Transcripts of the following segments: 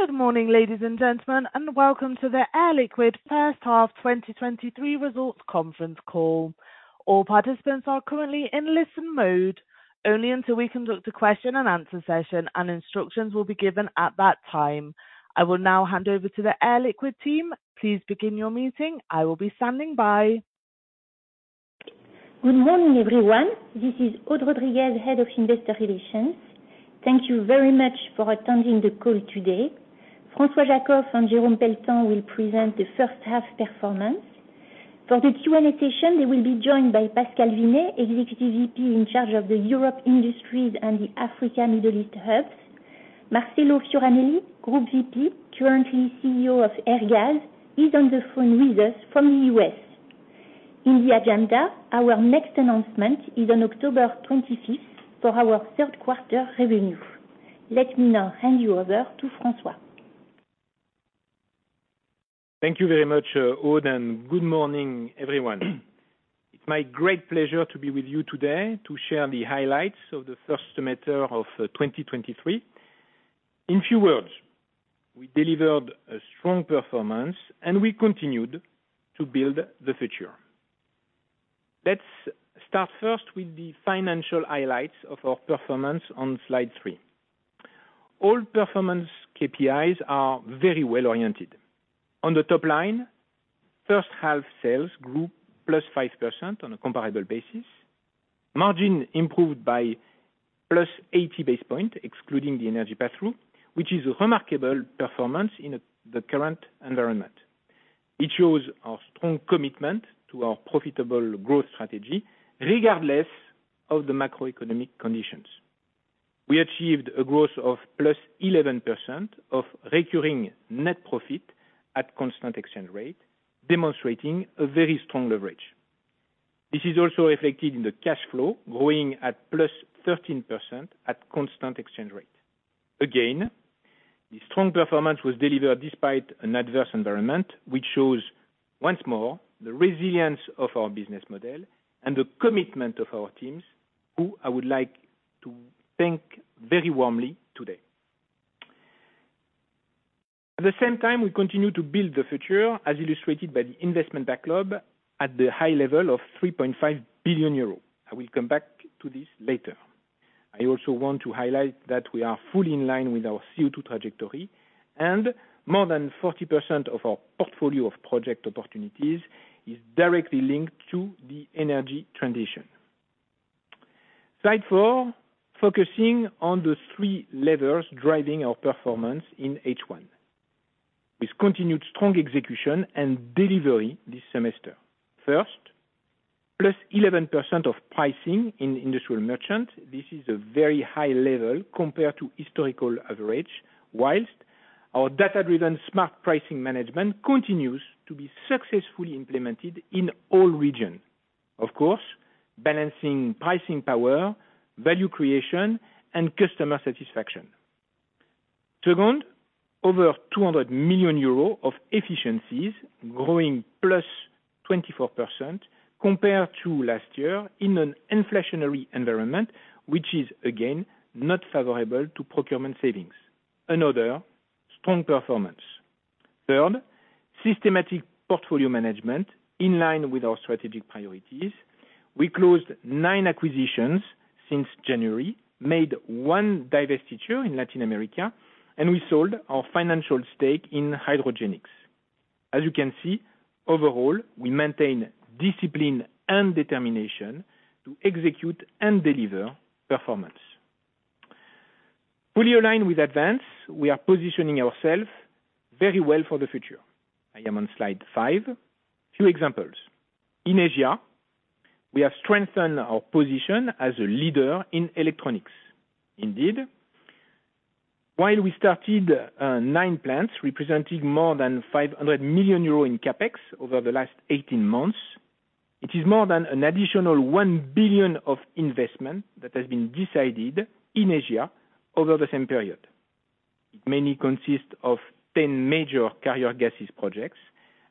Good morning, ladies and gentlemen, and welcome to the Air Liquide first half 2023 results conference call. All participants are currently in listen mode only until we conduct a question and answer session, and instructions will be given at that time. I will now hand over to the Air Liquide team. Please begin your meeting. I will be standing by. Good morning, everyone. This is Aude Rodriguez, Head of Investor Relations. Thank you very much for attending the call today. François Jackow and will present theThank you very much, Aude, good morning, everyone. It's my great pleasure to be with you today to share the highlights of the first semester of 2023. In few words, we delivered a strong performance, and we continued to build the future. Let's start first with Jérôme Pélissier This is also reflected in the cash flow, growing at +13% at constant exchange rate. The strong performance was delivered despite an adverse environment, which shows once more the resilience of our business model and the commitment of our teams, who I would like to thank very warmly today. At the same time, we continue to build the future, as illustrated by the investment backlog at the high level of 3.5 billion euros. I will come back to this later. I also want to highlight that we are fully in line with our CO2 trajectory, and more than 40% of our portfolio of project opportunities is directly linked to the energy transition. Slide 4, focusing on the three levers driving our performance in H1. With continued strong execution and delivery this semester. First, +11% of pricing in industrial merchant. This is a very high level compared to historical average, whilst our data-driven smart pricing management continues to be successfully implemented in all regions. Of course, balancing pricing power, value creation, and customer satisfaction. Second, over 200 million euros of efficiencies growing +24% compared to last year in an inflationary environment, which is again not favorable to procurement savings. Another strong performance. Third, systematic portfolio management, in line with our strategic priorities. We closed 9 acquisitions since January, made 1 divestiture in Latin America, and we sold our financial stake in Hydrogenics. As you can see, overall, we maintain discipline and determination to execute and deliver performance. Fully aligned with ADVANCE, we are positioning ourselves very well for the future. I am on slide 5. Few examples: In Asia, we have strengthened our position as a leader in electronics. Indeed, while we started 9 plants representing more than 500 million euros in CapEx over the last 18 months, it is more than an additional 1 billion of investment that has been decided in Asia over the same period. It mainly consists of 10 major carrier gases projects,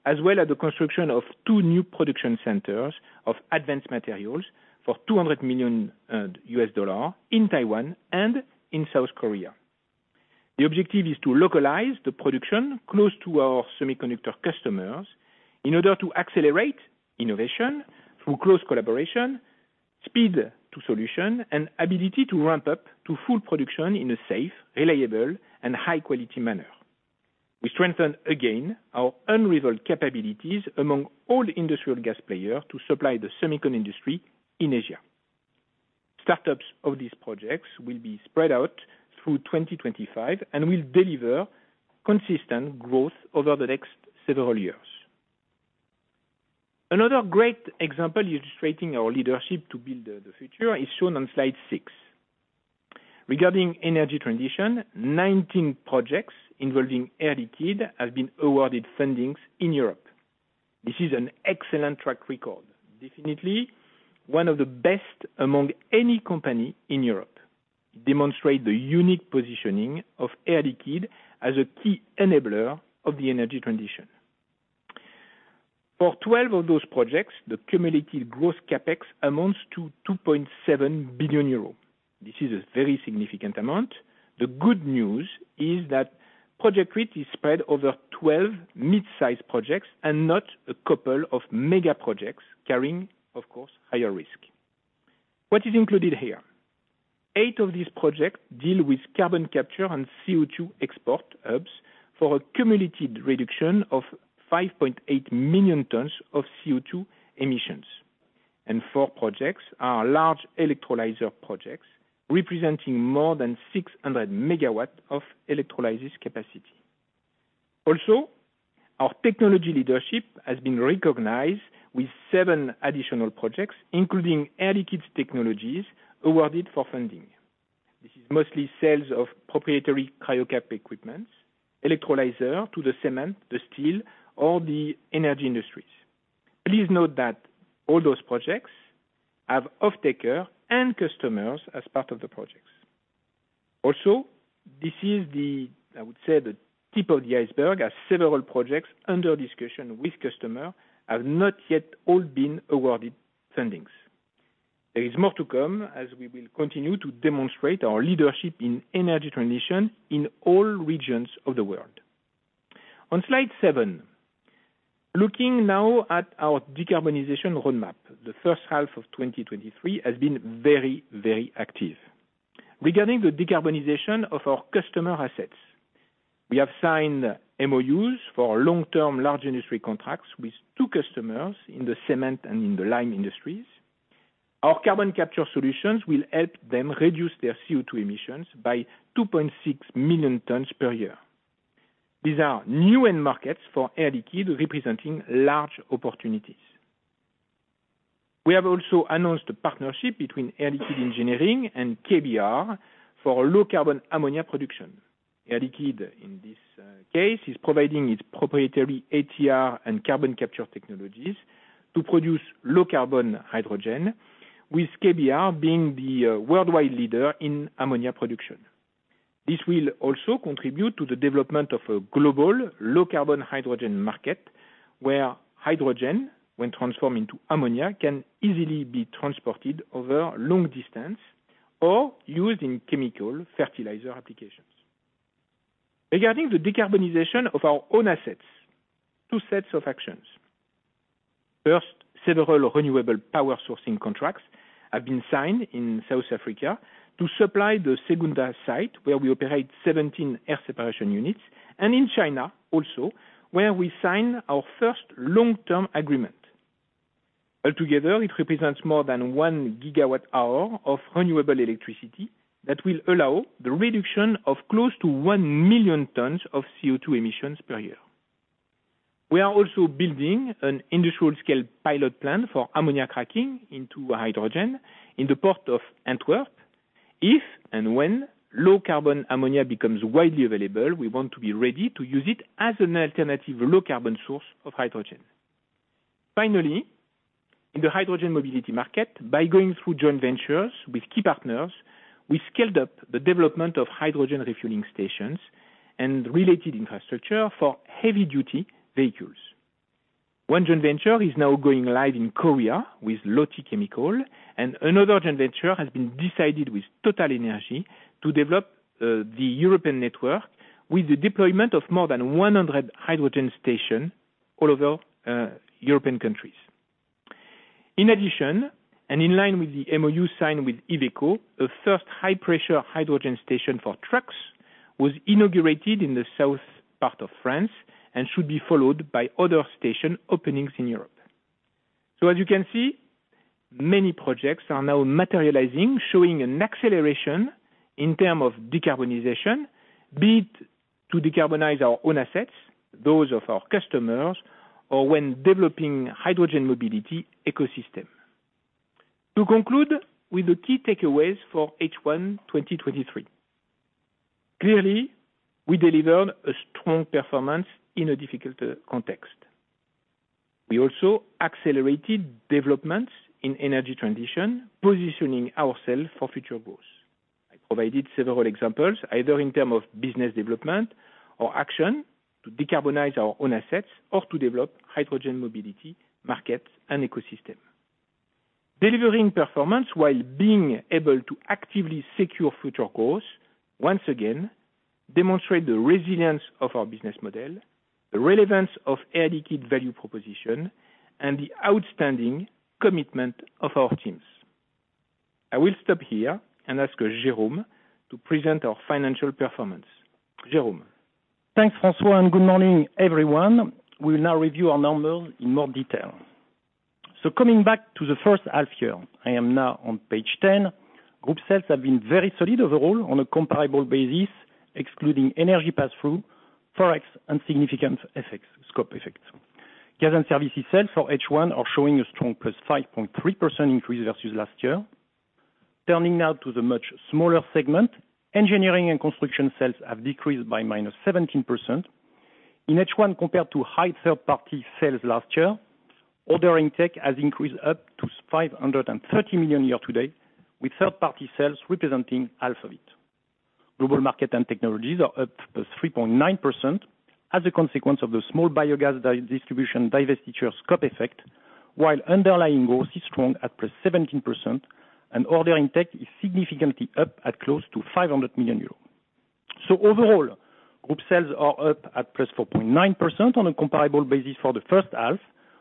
as well as the construction of 2 new production centers of advanced materials for $200 million in Taiwan and in South Korea. The objective is to localize the production close to our semiconductor customers in order to accelerate innovation through close collaboration, speed to solution, and ability to ramp up to full production in a safe, reliable, and high quality manner. We strengthen again our unrivaled capabilities among all industrial gas players to supply the semiconductor industry in Asia. Startups of these projects will be spread out through 2025 and will deliver consistent growth over the next several years. Another great example illustrating our leadership to build the future is shown on slide six. Regarding energy transition, 19 projects involving Air Liquide have been awarded fundings in Europe. This is an excellent track record, definitely one of the best among any company in Europe. Demonstrate the unique positioning of Air Liquide as a key enabler of the energy transition. For 12 of those projects, the cumulative gross CapEx amounts to 2.7 billion euros. This is a very significant amount. The good news is that project risk is spread over 12 mid-size projects and not a couple of mega projects carrying, of course, higher risk. What is included here? Eight of these projects deal with carbon capture and CO2 export hubs for a cumulative reduction of 5.8 million tons of CO2 emissions. Four projects are large electrolyzer projects, representing more than 600 megawatts of electrolysis capacity. Our technology leadership has been recognized with seven additional projects, including Air Liquide's technologies, awarded for funding. This is mostly sales of proprietary CryoCap equipment, electrolyzer to the cement, the steel, or the energy industries. Please note that all those projects have off-taker and customers as part of the projects. This is the, I would say, the tip of the iceberg, as several projects under discussion with customer have not yet all been awarded fundings. There is more to come as we will continue to demonstrate our leadership in energy transition in all regions of the world. On slide seven, looking now at our decarbonization roadmap, the first half of 2023 has been very, very active. Regarding the decarbonization of our customer assets, we have signed MOUs for long-term, large industry contracts with two customers in the cement and in the lime industries. Our carbon capture solutions will help them reduce their CO2 emissions by 2.6 million tons per year. These are new end markets for Air Liquide, representing large opportunities. We have also announced a partnership between Air Liquide Engineering and KBR for low-carbon ammonia production. Air Liquide, in this case, is providing its proprietary ATR and carbon capture technologies to produce low-carbon hydrogen, with KBR being the worldwide leader in ammonia production. This will also contribute to the development of a global low-carbon hydrogen market, where hydrogen, when transformed into ammonia, can easily be transported over long distance or used in chemical fertilizer applications. Regarding the decarbonization of our own assets, two sets of actions. First, several renewable power sourcing contracts have been signed in South Africa to supply the Secunda site, where we operate 17 air separation units, and in China also, where we sign our first long-term agreement. Altogether, it represents more than one gigawatt hour of renewable electricity that will allow the reduction of close to one million tons of CO2 emissions per year. We are also building an industrial scale pilot plant for ammonia cracking into hydrogen in the port of Antwerp. If and when low-carbon ammonia becomes widely available, we want to be ready to use it as an alternative low-carbon source of hydrogen. Finally, in the hydrogen mobility market, by going through joint ventures with key partners, we scaled up the development of hydrogen refueling stations and related infrastructure for heavy duty vehicles. One joint venture is now going live in Korea with Lotte Chemical, and another joint venture has been decided with TotalEnergies to develop the European network, with the deployment of more than 100 hydrogen station all over European countries. In addition, and in line with the MOU signed with Iveco, the first high-pressure hydrogen station for trucks was inaugurated in the south part of France and should be followed by other station openings in Europe. As you can see, many projects are now materializing, showing an acceleration in term of decarbonization, be it to decarbonize our own assets, those of our customers, or when developing hydrogen mobility ecosystem. To conclude with the key takeaways for H1 2023, clearly, we delivered a strong performance in a difficult context. We also accelerated developments in energy transition, positioning ourselves for future growth. I provided several examples, either in terms of business development or action, to decarbonize our own assets or to develop hydrogen mobility markets and ecosystem. Delivering performance while being able to actively secure future growth, once again, demonstrate the resilience of our business model, the relevance of Air Liquide value proposition, and the outstanding commitment of our teams. I will stop here and ask Jérôme to present our financial performance. Jérôme? Thanks, François. Good morning, everyone. We will now review our numbers in more detail. Coming back to the first half year, I am now on page 10. Group sales have been very solid overall on a comparable basis, excluding energy pass-through, Forex, and significant effects, scope effects. Gas and services sales for H1 are showing a strong +5.3% increase versus last year. Turning now to the much smaller segment, engineering and construction sales have decreased by -17%. In H1, compared to high third-party sales last year, order intake has increased up to 530 million year-to-date, with third-party sales representing half of it. Global market and technologies are up +3.9%, as a consequence of the small biogas distribution divestiture scope effect, while underlying growth is strong at +17%, and order intake is significantly up at close to 500 million euros. Overall, group sales are up at +4.9% on a comparable basis for the first half,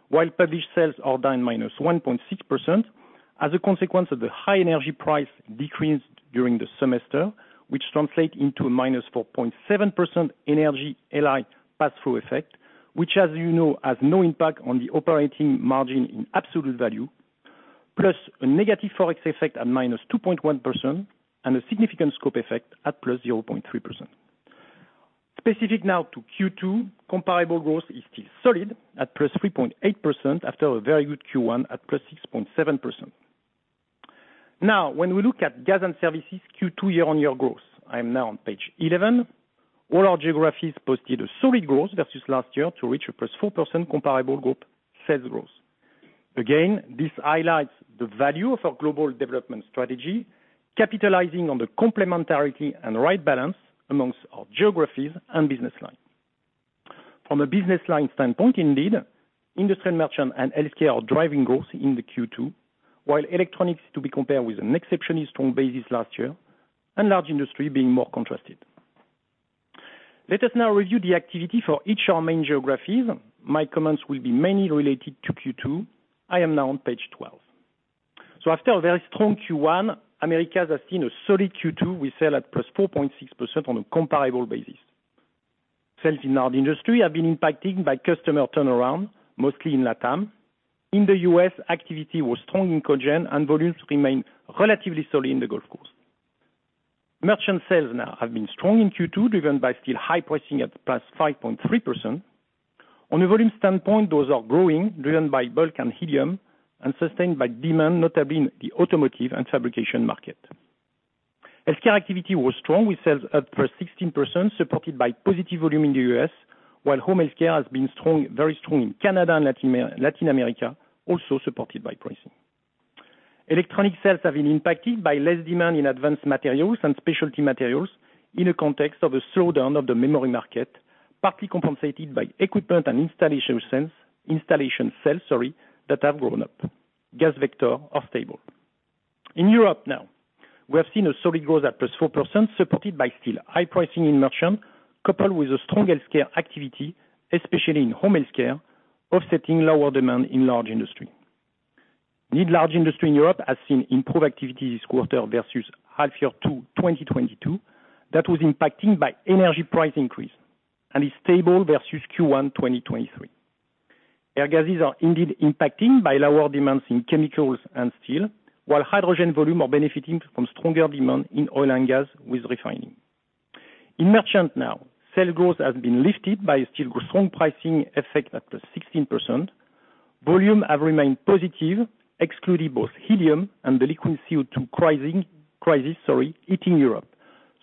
while published sales are down -1.6%, as a consequence of the high energy price decreased during the semester, which translate into a -4.7% energy pass-through effect. Which, as you know, has no impact on the operating margin in absolute value, + a negative Forex effect at -2.1% and a significant scope effect at +0.3%. Specific now to Q2, comparable growth is still solid at +3.8%, after a very good Q1 at +6.7%. When we look at gas and services, Q2 year-over-year growth, I am now on page 11. All our geographies posted a solid growth versus last year to reach a +4% comparable group sales growth. This highlights the value of our global development strategy, capitalizing on the complementarity and right balance amongst our geographies and business lines. From a business line standpoint, indeed, Industrial Merchant and Home Healthcare are driving growth in the Q2, while electronics is to be compared with an exceptionally strong basis last year, and large industry being more contrasted. Let us now review the activity for each our main geographies. My comments will be mainly related to Q2. I am now on page 12. After a very strong Q1, Americas has seen a solid Q2, with sale at +4.6% on a comparable basis. Sales in large industry have been impacted by customer turnaround, mostly in LATAM. In the US, activity was strong in Cogen, and volumes remain relatively solid in the Gulf Coast. Merchant sales now have been strong in Q2, driven by still high pricing at +5.3%. On a volume standpoint, those are growing, driven by bulk and helium, and sustained by demand, notably in the automotive and fabrication market. Healthcare activity was strong, with sales up +16%, supported by positive volume in the US, while home healthcare has been very strong in Canada and Latin America, also supported by pricing. Electronic sales have been impacted by less demand in advanced materials and specialty materials in a context of a slowdown of the memory market, partly compensated by equipment and installation sales, sorry, that have grown up. Gas vector are stable. In Europe, now, we have seen a solid growth at +4%, supported by still high pricing in merchant, coupled with a strong healthcare activity, especially in Home Healthcare, offsetting lower demand in large industry. Large industry in Europe has seen improved activity this quarter versus H2 2022. That was impacting by energy price increase and is stable versus Q1 2023. Airgas are indeed impacting by lower demands in chemicals and steel, while hydrogen volume are benefiting from stronger demand in oil and gas with refining. In merchant now, sale growth has been lifted by a still strong pricing effect at +16%. Volume have remained positive, excluding both helium and the liquid CO2 crisis, sorry, hitting Europe,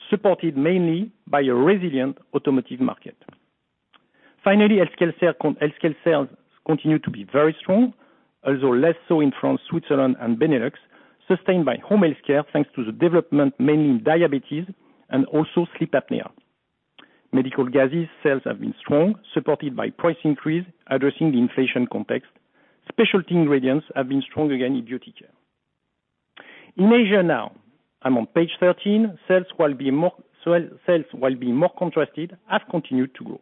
supported mainly by a resilient automotive market. Finally, Home Healthcare sales continue to be very strong, although less so in France, Switzerland, and Benelux, sustained by Home Healthcare, thanks to the development, mainly in diabetes and also sleep apnea. Medical gases sales have been strong, supported by price increase, addressing the inflation context. specialty ingredients have been strong again in beauty care. In Asia now, I'm on page 13. Sales while being more contrasted, have continued to grow.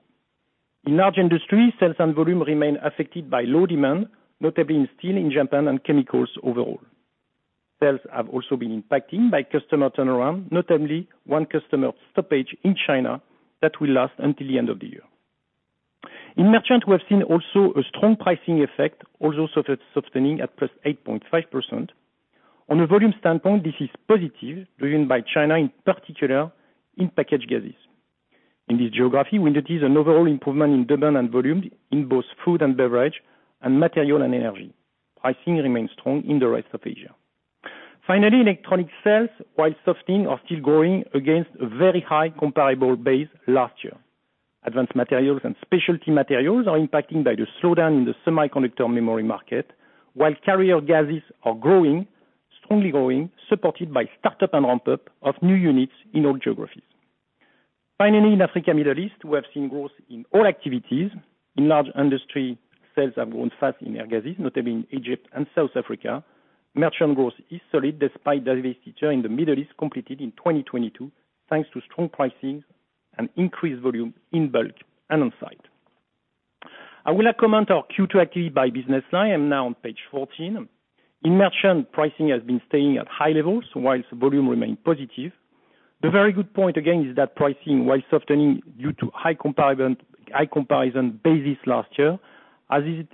In large industry, sales and volume remain affected by low demand, notably in steel in Japan and chemicals overall. Sales have also been impacted by customer turnaround, notably one customer stoppage in China that will last until the end of the year. In merchant, we have seen also a strong pricing effect, also sub-sustaining at +8.5%. On a volume standpoint, this is positive, driven by China, in particular in packaged gases. In this geography, we noted an overall improvement in demand and volume in both food and beverage and material and energy. Pricing remains strong in the rest of Asia. Electronic sales, while softening, are still growing against a very high comparative base last year. Advanced materials and specialty materials are impacting by the slowdown in the semiconductor memory market, while carrier gases are strongly growing, supported by startup and ramp-up of new units in all geographies. In Africa, Middle East, we have seen growth in all activities. In large industry, sales have grown fast in air gases, notably in Egypt and South Africa. Merchant growth is solid despite the divestiture in the Middle East, completed in 2022, thanks to strong pricing and increased volume in bulk and on site. I will now comment our Q2 activity by business line, I am now on page 14. In merchant, pricing has been staying at high levels, whilst volume remained positive. The very good point, again, is that pricing, while softening due to high comparison basis last year,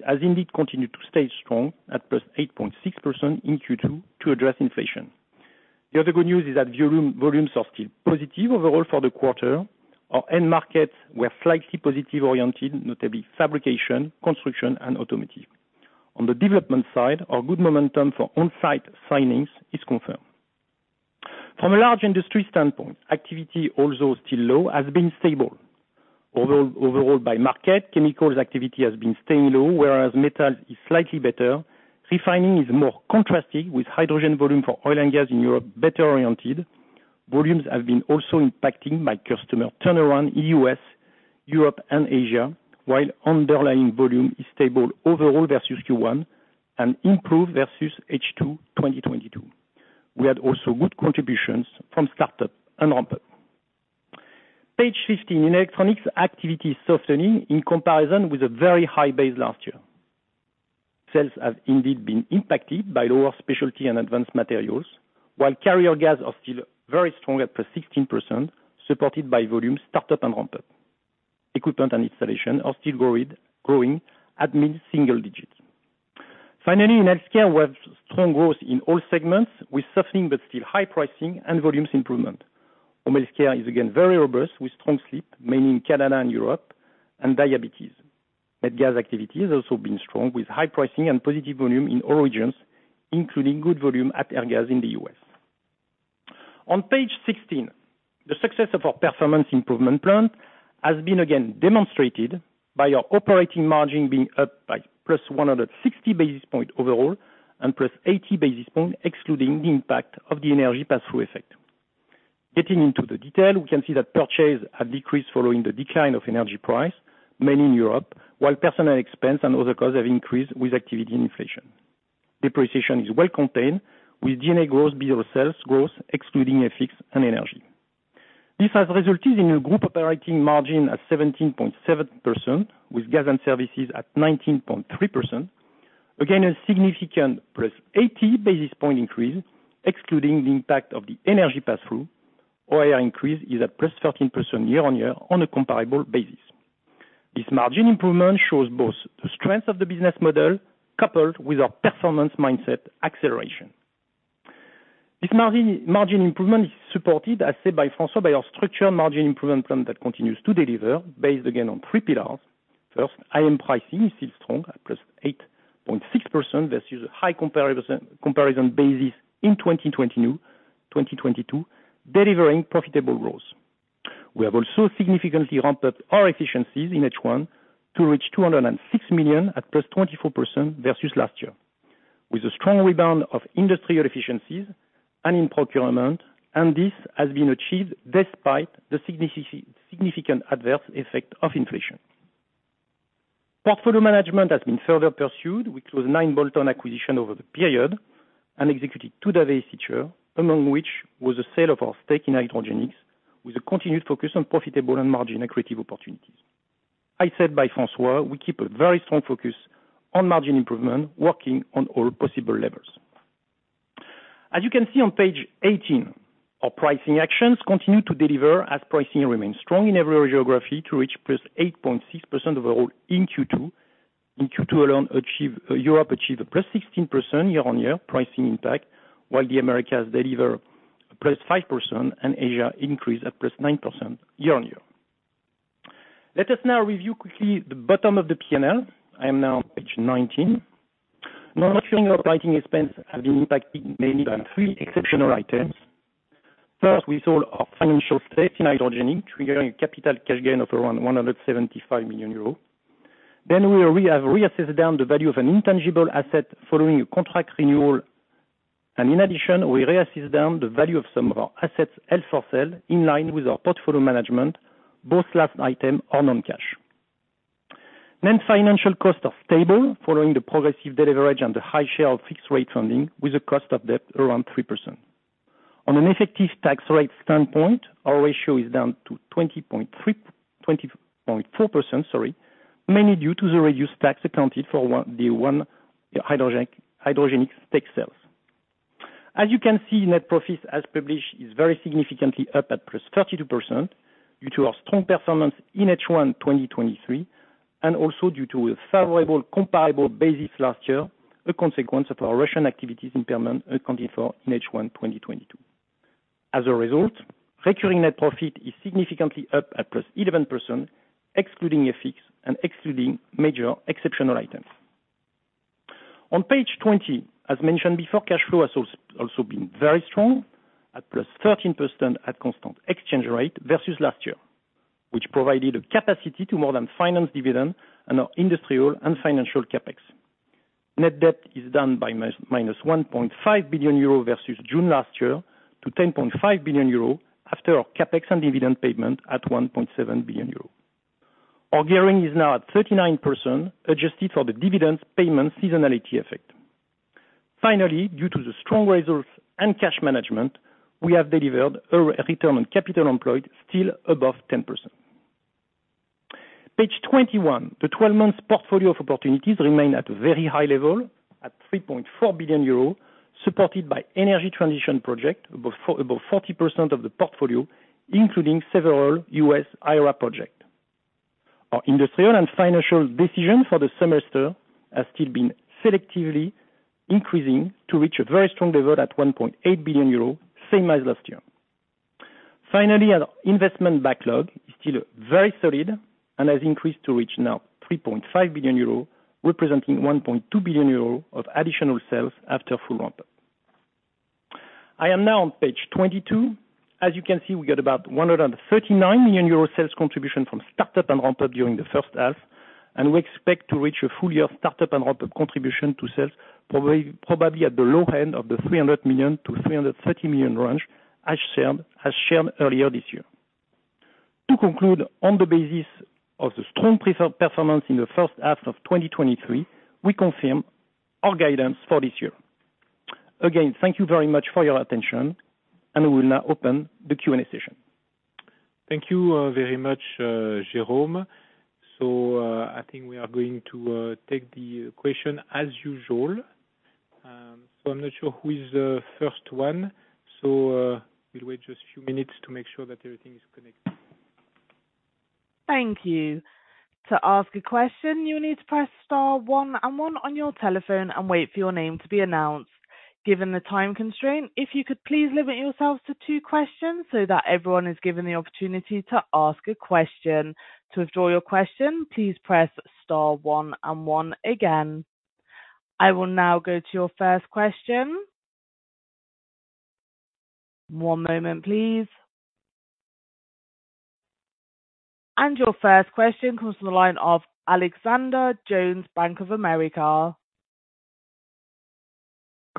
has indeed continued to stay strong at +8.6% in Q2 to address inflation. The other good news is that volumes are still positive overall for the quarter. Our end markets were slightly positive-oriented, notably fabrication, construction, and automotive. On the development side, our good momentum for on-site signings is confirmed. From a large industry standpoint, activity, although still low, has been stable. Overall, by market, chemicals activity has been staying low, whereas metal is slightly better. Refining is more contrasting with hydrogen volume for oil and gas in Europe, better oriented. Volumes have been also impacting my customer turnaround in U.S., Europe and Asia, while underlying volume is stable overall versus Q1 and improved versus H2, 2022. We had also good contributions from startup and ramp-up. Page 15, in electronics, activity softening in comparison with a very high base last year. Sales have indeed been impacted by lower specialty and advanced materials, while carrier gas are still very strong at +16%, supported by volume startup and ramp-up. Equipment and installation are still growing at mid-single digits. Finally, in Healthcare, we have strong growth in all segments, with softening but still high pricing and volumes improvement. Home Healthcare is again very robust, with strong sleep, mainly in Canada and Europe, and diabetes. Med gas activity has also been strong, with high pricing and positive volume in all regions, including good volume at Airgas in the U.S. On page 16, the success of our performance improvement plan has been again demonstrated by our operating margin being up by +160 basis points overall, and +80 basis points, excluding the impact of the energy pass-through effect. Getting into the detail, we can see that purchase have decreased following the decline of energy price, mainly in Europe, while personal expense and other costs have increased with activity and inflation. Depreciation is well contained, with D&A growth below sales growth, excluding FX and energy. This has resulted in a group operating margin at 17.7%, with gas and services at 19.3%. A significant +80 basis point increase, excluding the impact of the energy pass-through, or increase is at +13% year-on-year on a comparable basis. This margin improvement shows both the strength of the business model coupled with our performance mindset acceleration. This margin improvement is supported, as said by Francois, by our structural margin improvement plan that continues to deliver, based again on three pillars. IM pricing is still strong, at +8.6% versus a high comparable comparison basis in 2022, delivering profitable growth. We have also significantly ramped up our efficiencies in H1 to reach 206 million at +24% versus last year, with a strong rebound of industrial efficiencies and in procurement, and this has been achieved despite the significant adverse effect of inflation. Portfolio management has been further pursued, which was 9 bolt-on acquisition over the period, and executed 2 divestiture, among which was a sale of our stake in Hydrogenics, with a continued focus on profitable and margin accretive opportunities. I said by Francois, we keep a very strong focus on margin improvement, working on all possible levels. As you can see on page 18, our pricing actions continue to deliver, as pricing remains strong in every geography to reach +8.6% overall in Q2. In Q2 alone, Europe achieved a +16% year-on-year pricing impact, while the Americas deliver +5% and Asia increase at +9% year-on-year. Let us now review quickly the bottom of the P&L. I am now on page 19. Non-recurring operating expense have been impacted mainly by 3 exceptional items. First, we sold our financial stake in Hydrogenics, triggering a capital cash gain of around 175 million euros. We have reassessed down the value of an intangible asset following a contract renewal, and in addition, we reassess down the value of some of our assets held for sale, in line with our portfolio management, both last item are non-cash. Net financial costs are stable, following the progressive deleverage and the high share of fixed rate funding, with a cost of debt around 3%. On an effective tax rate standpoint, our ratio is down to 20.4%, sorry, mainly due to the reduced tax accounted for Hydrogenics tax sales. Net profits, as published, is very significantly up at +32% due to our strong performance in H1 2023, due to a favorable comparative basis last year, a consequence of our Russian activities impairment accounted for in H1 2022. Recurring net profit is significantly up at +11%, excluding FX and excluding major exceptional items. Page 20, as mentioned before, cash flow has also been very strong, at +13% at constant exchange rate versus last year, which provided a capacity to more than finance dividend and our industrial and financial CapEx. Net debt is down by -1.5 billion euro versus June last year, to 10.5 billion euro, after our CapEx and dividend payment at 1.7 billion euro. Our gearing is now at 39%, adjusted for the dividends payment seasonality effect. Due to the strong results and cash management, we have delivered a ROCE still above 10%. Page 21. The 12-months portfolio of opportunities remain at a very high level, at 3.4 billion euros, supported by energy transition project, above 40% of the portfolio, including several U.S. IRA project. Our industrial and financial decisions for the semester has still been selectively increasing to reach a very strong level at 1.8 billion euro, same as last year. Our investment backlog is still very solid and has increased to reach now 3.5 billion euros, representing 1.2 billion euros of additional sales after full ramp-up.... I am now on page 22. As you can see, we got about 139 million euro sales contribution from start up and ramp up during the first half, and we expect to reach a full year start up and ramp up contribution to sales, probably at the low end of the 300 million-330 million range, as shared earlier this year. To conclude, on the basis of the strong performance in the first half of 2023, we confirm our guidance for this year. Again, thank you very much for your attention, and we will now open the Q&A session. Thank you very much Jérôme. I think we are going to take the question as usual. I'm not sure who is the first one, so we'll wait just a few minutes to make sure that everything is connected. Thank you. To ask a question, you need to press star one and one on your telephone and wait for your name to be announced. Given the time constraint, if you could please limit yourselves to 2 questions, so that everyone is given the opportunity to ask a question. To withdraw your question, please press star one and one again. I will now go to your first question. One moment, please. Your first question comes from the line of Alexander Jones, Bank of America.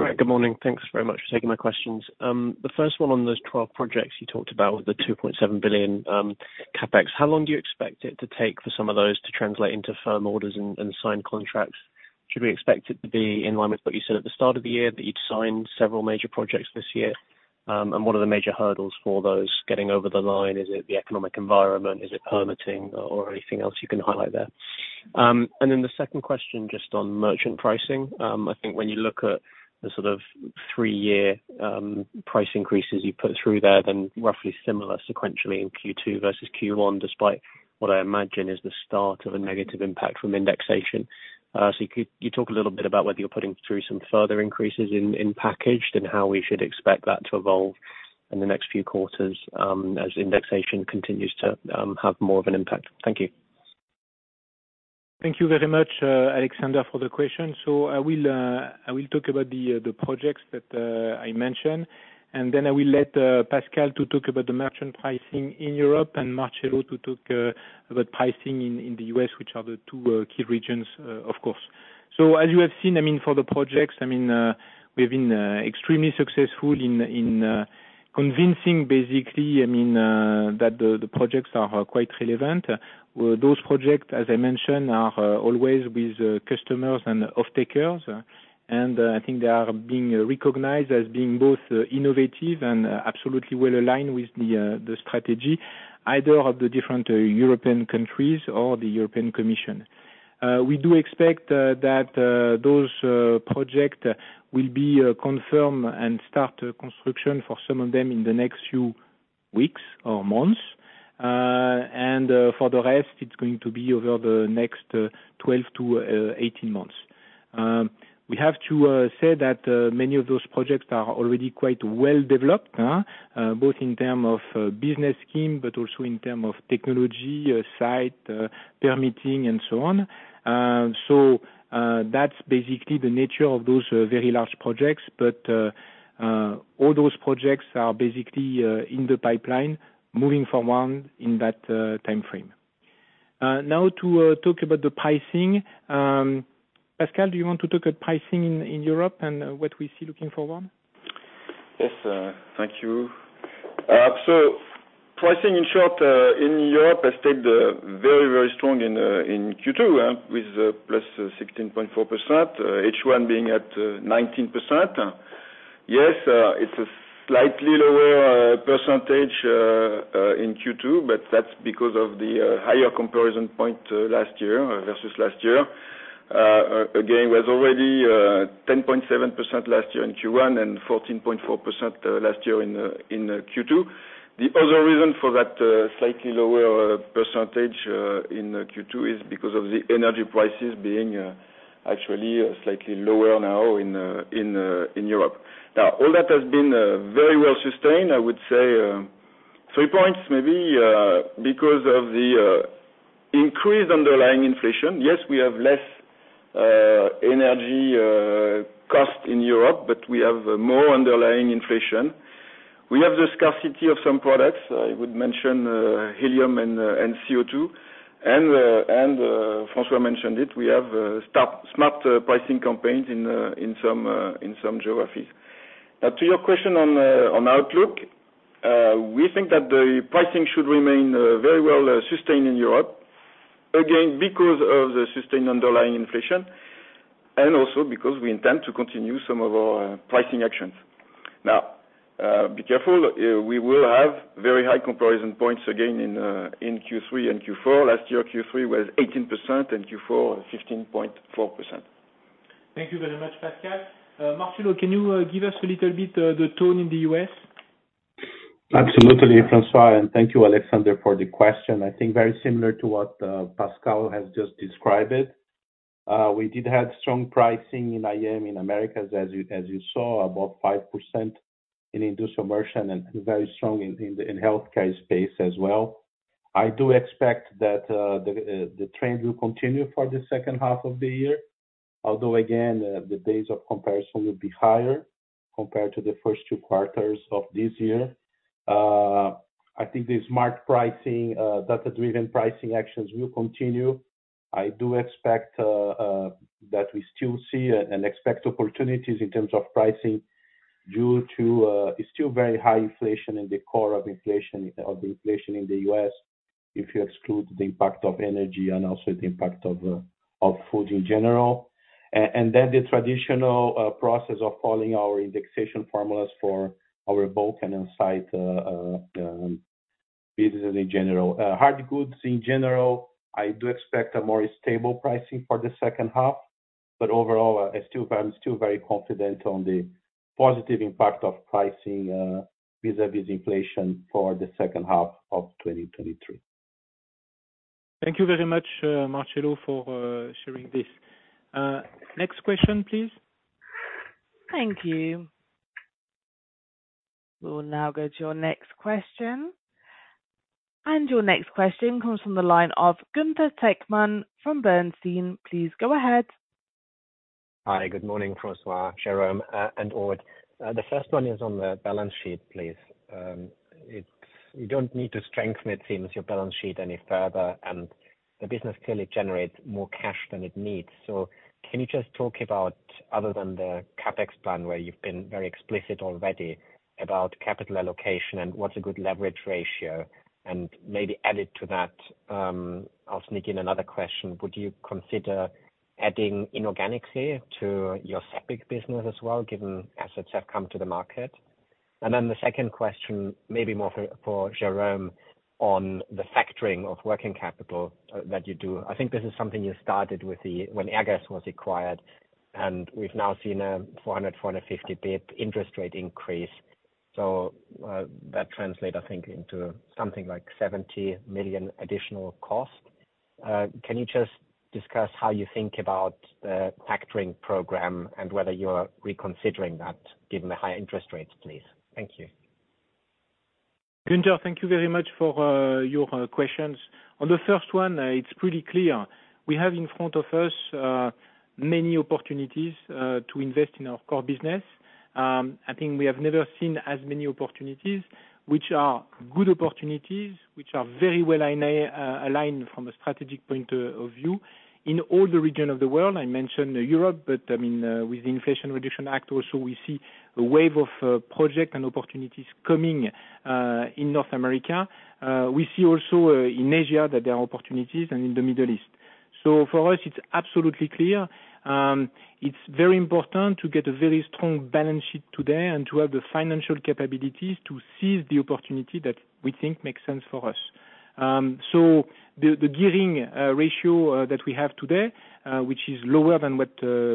Great, good morning. Thanks very much for taking my questions. The first one on those 12 projects you talked about with the 2.7 billion CapEx, how long do you expect it to take for some of those to translate into firm orders and signed contracts? Should we expect it to be in line with what you said at the start of the year, that you'd signed several major projects this year? What are the major hurdles for those getting over the line? Is it the economic environment? Is it permitting or anything else you can highlight there? The second question, just on merchant pricing. I think when you look at the sort of 3-year price increases you put through there, then roughly similar sequentially in Q2 versus Q1, despite what I imagine is the start of a negative impact from indexation. Could you talk a little bit about whether you're putting through some further increases in packaged, and how we should expect that to evolve in the next few quarters, as indexation continues to have more of an impact? Thank you. Thank you very much, Alexander, for the question. I will talk about the projects that I mentioned, and then I will let Pascal to talk about the merchant pricing in Europe and Marcelo Fioranelli to talk about pricing in the US, which are the two key regions, of course. As you have seen, I mean, for the projects, I mean, we've been extremely successful in convincing basically, I mean, that the projects are quite relevant. Those projects, as I mentioned, are always with customers and off-takers, and I think they are being recognized as being both innovative and absolutely well aligned with the strategy, either of the different European countries or the European Commission. We do expect that those project will be confirmed and start construction for some of them in the next few weeks or months. For the rest, it's going to be over the next 12-18 months. We have to say that many of those projects are already quite well developed, both in term of business scheme, but also in term of technology, site, permitting, and so on. That's basically the nature of those very large projects. All those projects are basically in the pipeline, moving from one in that time frame. Now, to talk about the pricing, Pascal, do you want to talk about pricing in Europe and what we see looking forward? Yes, thank you. Pricing in short, in Europe, has stayed very, very strong in Q2, with +16.4%, H1 being at 19%. Yes, it's a slightly lower percentage in Q2, but that's because of the higher comparison point last year, versus last year. Again, was already 10.7% last year in Q1, and 14.4% last year in Q2. The other reason for that slightly lower percentage in Q2 is because of the energy prices being actually slightly lower now in Europe. All that has been very well sustained, I would say, 3 points maybe, because of the increased underlying inflation. Yes, we have less energy cost in Europe. We have more underlying inflation. We have the scarcity of some products. I would mention helium and CO2. Francois Jacov mentioned it, we have smart pricing campaigns in some geographies. To your question on outlook, we think that the pricing should remain very well sustained in Europe, again, because of the sustained underlying inflation, also because we intend to continue some of our pricing actions. Be careful, we will have very high comparison points again in Q3 and Q4. Last year, Q3 was 18% and Q4, 15.4%. Thank you very much, Pascal. Marcelo, can you give us a little bit the tone in the U.S.? Absolutely, Francois. Thank you, Alexander, for the question. I think very similar to what Pascal has just described it. We did have strong pricing in IM in Americas, as you saw, about 5% in Industrial Merchant and very strong in the healthcare space as well. I do expect that the trend will continue for the second half of the year. Although again, the days of comparison will be higher compared to the first two quarters of this year. I think the smart pricing, data-driven pricing actions will continue. I do expect that we still see and expect opportunities in terms of pricing, due to still very high inflation in the core of inflation, of the inflation in the U.S., if you exclude the impact of energy and also the impact of food in general. The traditional process of following our indexation formulas for our bulk and inside business in general. Hard goods in general, I do expect a more stable pricing for the second half, but overall, I still, I'm still very confident on the positive impact of pricing vis-a-vis inflation for the second half of 2023. Thank you very much, Marcelo, for sharing this. Next question, please. Thank you. We'll now go to your next question. Your next question comes from the line of Gunther Zechner from Bernstein. Please go ahead. Hi, good morning, Francois, Jérôme, and Aude. The first one is on the balance sheet, please. You don't need to strengthen it, seems, your balance sheet any further, and the business clearly generates more cash than it needs. Can you just talk about, other than the CapEx plan, where you've been very explicit already about capital allocation and what's a good leverage ratio? Maybe added to that, I'll sneak in another question: Would you consider adding inorganically to your Seppic business as well, given assets have come to the market? The second question, maybe more for Jérôme, on the factoring of working capital that you do. I think this is something you started when Airgas was acquired, and we've now seen a 400, 450 BP interest rate increase. That translate, I think, into something like 70 million additional cost. Can you just discuss how you think about the factoring program and whether you're reconsidering that given the high interest rates, please? Thank you. Gunther, thank you very much for your questions. On the first one, it's pretty clear. We have in front of us many opportunities to invest in our core business. I think we have never seen as many opportunities, which are good opportunities, which are very well aligned from a strategic point of view, in all the region of the world. I mentioned Europe, I mean, with the Inflation Reduction Act also, we see a wave of project and opportunities coming in North America. We see also in Asia that there are opportunities and in the Middle East. For us, it's absolutely clear. It's very important to get a very strong balance sheet today and to have the financial capabilities to seize the opportunity that we think makes sense for us. The gearing ratio that we have today, which is lower than what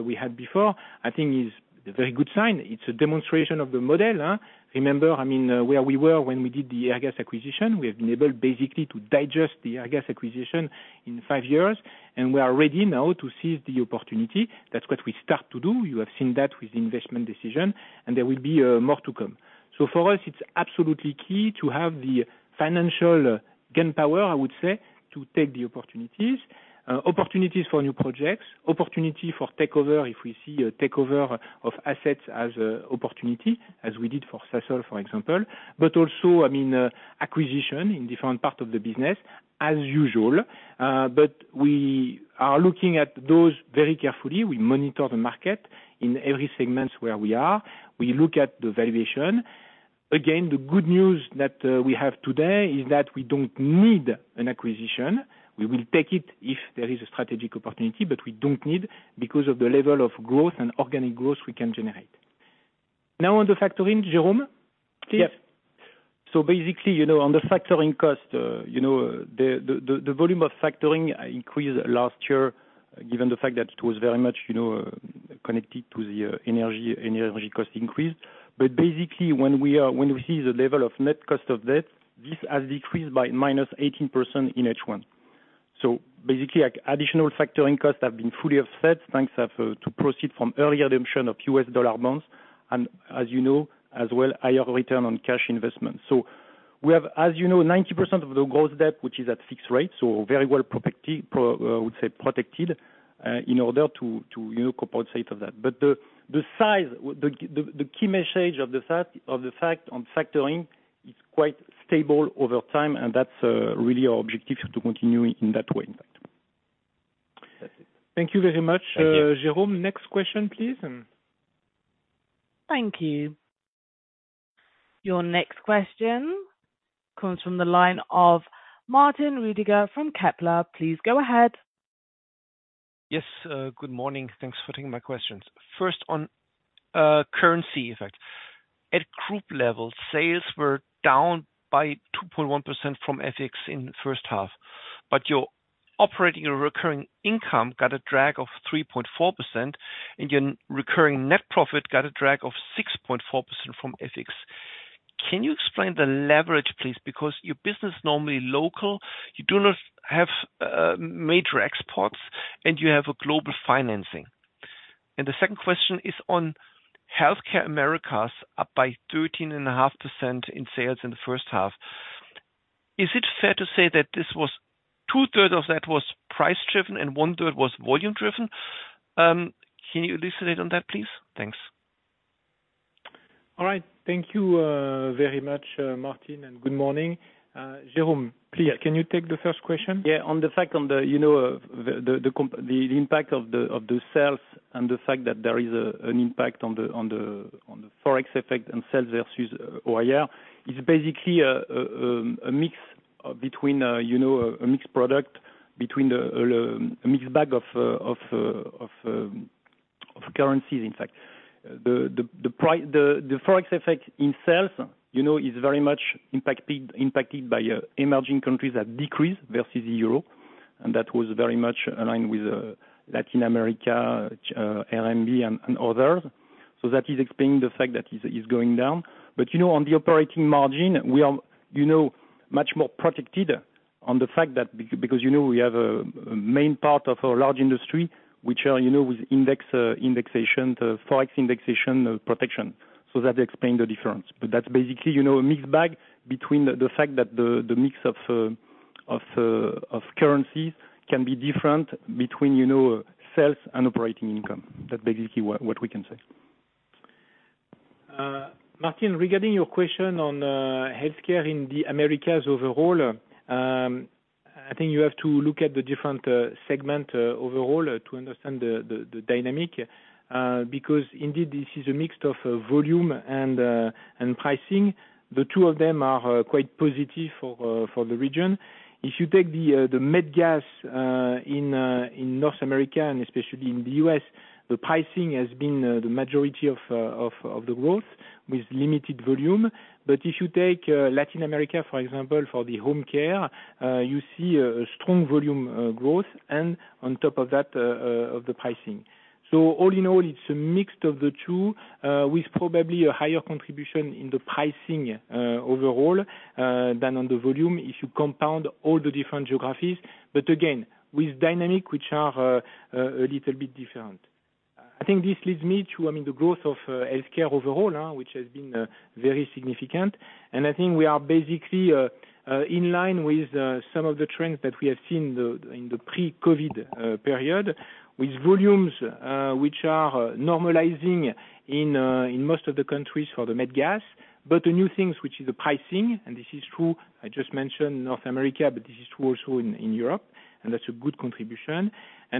we had before, I think is a very good sign. It's a demonstration of the model, huh? Remember, I mean, where we were when we did the Airgas acquisition. We have been able basically to digest the Airgas acquisition in 5 years, and we are ready now to seize the opportunity. That's what we start to do. You have seen that with the investment decision, and there will be more to come. For us, it's absolutely key to have the financial gain power, I would say, to take the opportunities. Opportunities for new projects, opportunity for takeover, if we see a takeover of assets as a opportunity, as we did for Sasol, for example. Also, I mean, acquisition in different parts of the business, as usual. We are looking at those very carefully. We monitor the market in every segments where we are. We look at the valuation. Again, the good news that we have today is that we don't need an acquisition. We will take it if there is a strategic opportunity, but we don't need, because of the level of growth and organic growth we can generate. Now, on the factoring, Jérôme, please. Yep. Basically, you know, on the factoring cost, you know, the volume of factoring increased last year, given the fact that it was very much, you know, connected to the energy cost increase. Basically, when we see the level of net cost of debt, this has decreased by -18% in H1. Basically, like, additional factoring costs have been fully offset thanks of to proceed from early redemption of US dollar loans, and as you know, as well, higher return on cash investment. We have, as you know, 90% of the gross debt, which is at fixed rate, so very well protected, in order to, you know, compensate of that. The size, the key message of the fact on factoring is quite stable over time, and that's really our objective to continue in that way. That's it. Thank you very much. Thank you. Jérôme. Next question, please. Thank you. Your next question comes from the line of Martin Roediger from Kepler Cheuvreux. Please go ahead. Yes, good morning. Thanks for taking my questions. First, on currency effect. At group level, sales were down by 2.1% from FX in the first half, but your operating and recurring income got a drag of 3.4%, and your recurring net profit got a drag of 6.4% from FX. Can you explain the leverage, please? Because your business is normally local, you do not have major exports, and you have a global financing. The second question is on healthcare Americas, up by 13.5% in sales in the first half. Is it fair to say that this was two-third of that was price driven and one-third was volume driven? Can you elucidate on that, please? Thanks. All right. Thank you, very much, Martin. Good morning. Jérôme, please, can you take the first question? Yeah, on the fact, on the, you know, the impact of the sales, and the fact that there is an impact on the Forex effect and sales versus OIR, is basically, a mix between, you know, a mixed product between the, a mixed bag of currencies, in fact. The Forex effect in sales, you know, is very much impacted by emerging countries that decrease versus EUR, and that was very much aligned with Latin America, RMB and others. That is explaining the fact that is going down. You know, on the operating margin, we are, you know, much more protected on the fact that because, you know, we have a main part of our large industry, which are, you know, with index, indexation, the Forex indexation protection. That explain the difference. That's basically, you know, a mixed bag between the fact that the mix of, of currencies can be different between, you know, sales and operating income. That's basically what we can say. Martin, regarding your question on healthcare in the Americas overall, I think you have to look at the different segment overall to understand the dynamic because indeed this is a mix of volume and pricing. The two of them are quite positive for the region. If you take the medical gas in North America and especially in the U.S., the pricing has been the majority of the growth with limited volume. If you take Latin America, for example, for the home care, you see a strong volume growth, and on top of that of the pricing. All in all, it's a mix of the 2, with probably a higher contribution in the pricing overall than on the volume, if you compound all the different geographies, but again, with dynamic which are a little bit different. I think this leads me to, I mean, the growth of healthcare overall, which has been very significant. I think we are basically in line with some of the trends that we have seen in the pre-COVID period, with volumes which are normalizing in most of the countries for the medical gas, but the new things, which is the pricing, and this is true, I just mentioned North America, but this is true also in Europe, and that's a good contribution.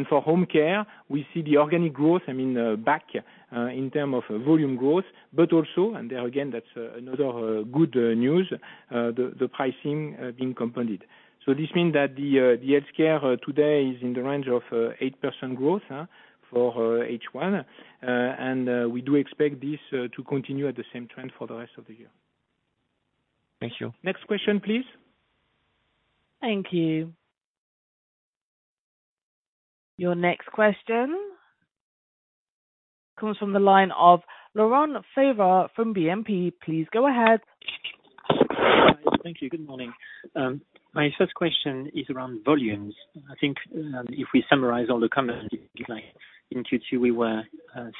For Home Healthcare, we see the organic growth, I mean, back in term of volume growth, but also, and there again, that's another good news, the pricing being compounded. This means that the Home Healthcare today is in the range of 8% growth for H1. We do expect this to continue at the same trend for the rest of the year. Thank you. Next question, please. Thank you. Your next question comes from the line of Laurent Favre from BNP. Please, go ahead. Thank you. Good morning. My first question is around volumes. I think, if we summarize all the comments, like, in Q2, we were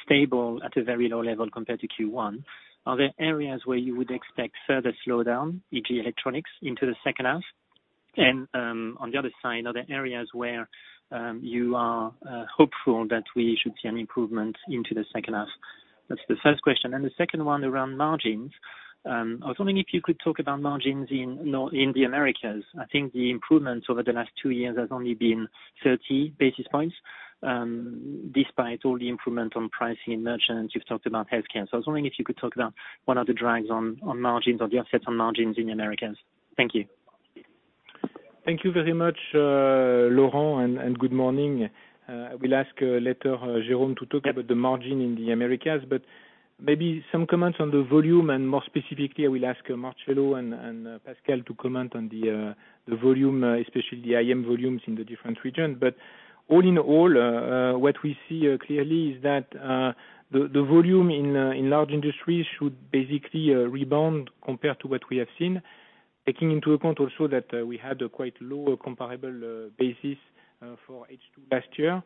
stable at a very low level compared to Q1. Are there areas where you would expect further slowdown, e.g. electronics, into the second half? On the other side, are there areas where you are hopeful that we should see an improvement into the second half? That's the first question. The second one around margins. I was wondering if you could talk about margins in the Americas. I think the improvements over the last 2 years has only been 30 basis points, despite all the improvement on pricing in merchants, you've talked about healthcare. I was wondering if you could talk about what are the drags on margins or the offsets on margins in the Americas? Thank you. Thank you very much, Laurent, and good morning. I will ask later, Jérôme, to talk about the margin in the Americas, but maybe some comments on the volume, and more specifically, I will ask Marcelo and Pascal to comment on the volume, especially the IM volumes in the different regions. All in all, what we see clearly is that the volume in large industries should basically rebound compared to what we have seen. Taking into account also that we had a quite low comparable basis for H2 last year.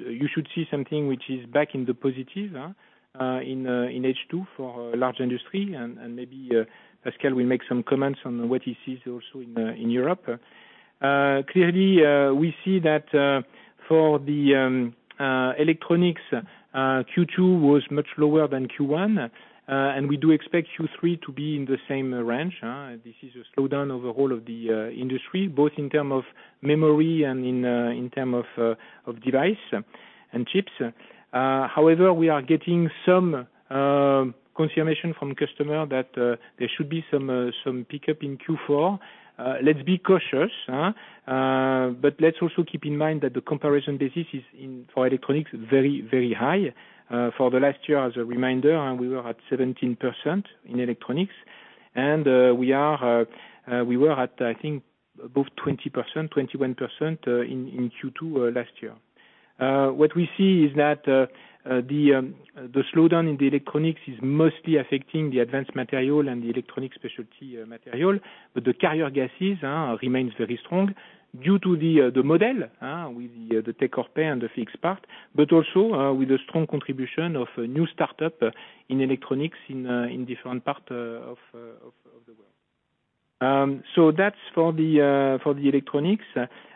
You should see something which is back in the positive in H2 for large industry, and maybe Pascal will make some comments on what he sees also in Europe. Clearly, we see that for the electronics, Q2 was much lower than Q1. We do expect Q3 to be in the same range. This is a slowdown over all of the industry, both in term of memory and in term of device and chips. However, we are getting some confirmation from customer that there should be some pickup in Q4. Let's be cautious, let's also keep in mind that the comparison basis is in, for electronics, very, very high. For the last year, as a reminder, we were at 17% in electronics, and we were at, I think, above 20%, 21%, in Q2 last year. What we see is that the slowdown in the electronics is mostly affecting the advanced materials and the electronic specialty materials, but the carrier gases remains very strong due to the model with the take-or-pay and the fixed part, but also with the strong contribution of a new startup in electronics in different part of the world. That's for the electronics.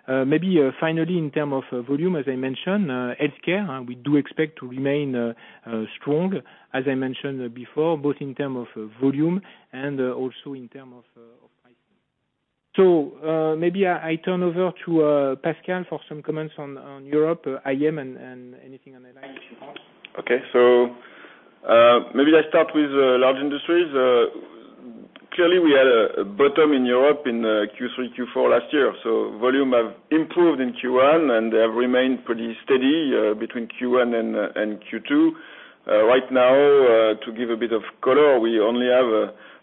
Maybe finally, in term of volume, as I mentioned, Home Healthcare, we do expect to remain strong, as I mentioned before, both in term of volume and also in term of pricing. Maybe I turn over to Pascal Vinet for some comments on Europe, IM, and anything on the line. Okay. Maybe I start with large industries. Clearly, we had a bottom in Europe in Q3, Q4 last year, so volume have improved in Q1, and have remained pretty steady between Q1 and Q2. Right now, to give a bit of color, we only have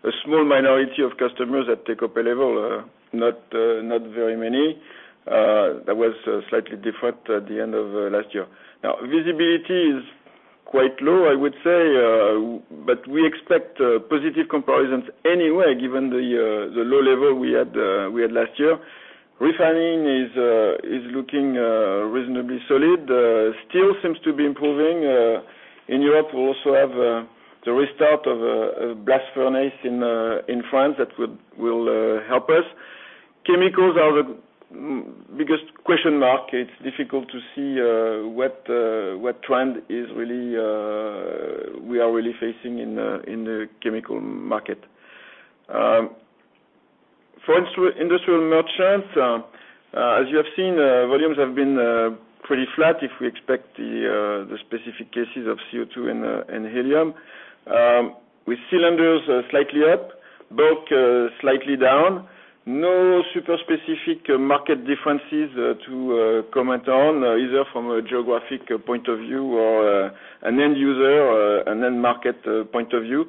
a small minority of customers that take up a level, not very many. That was slightly different at the end of last year. Visibility is quite low, I would say, but we expect positive comparisons anywhere, given the low level we had last year. Refining is looking reasonably solid. Still seems to be improving in Europe. We also have the restart of a blast furnace in France that will help us. Chemicals are the biggest question mark. It's difficult to see what trend is really we are really facing in the chemical market. For industrial merchants, as you have seen, volumes have been pretty flat if we expect the specific cases of CO2 and helium. With cylinders slightly up, bulk slightly down. No super specific market differences to comment on either from a geographic point of view or an end user, an end market point of view.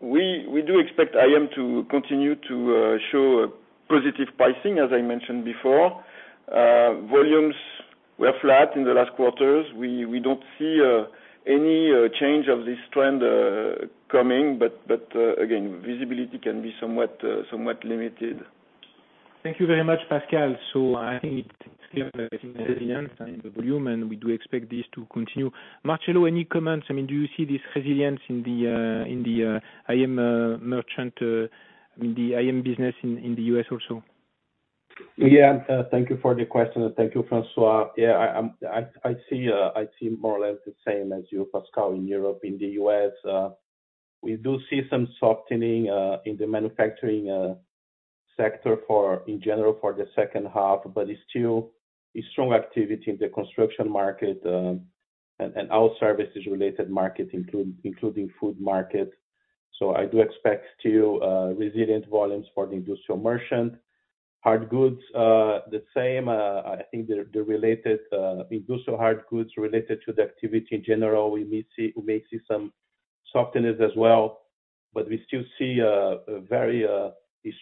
We do expect IM to continue to show a positive pricing, as I mentioned before. Volumes were flat in the last quarters. We don't see any change of this trend coming, but again, visibility can be somewhat limited. Thank you very much, Pascal. I think it's clear, resilience in the volume, and we do expect this to continue. Marcelo, any comments? I mean, do you see this resilience in the IM merchant in the IM business in the US also? Yeah. Thank you for the question, and thank you, Francois. Yeah, I see more or less the same as you, Pascal, in Europe. In the U.S., we do see some softening in the manufacturing sector for, in general, for the second half, but it's still a strong activity in the construction market, and our services related market, including food market. I do expect to resilient volumes for the industrial merchant. hard goods, the same. I think the related industrial hard goods related to the activity in general, we may see some softness as well, but we still see a very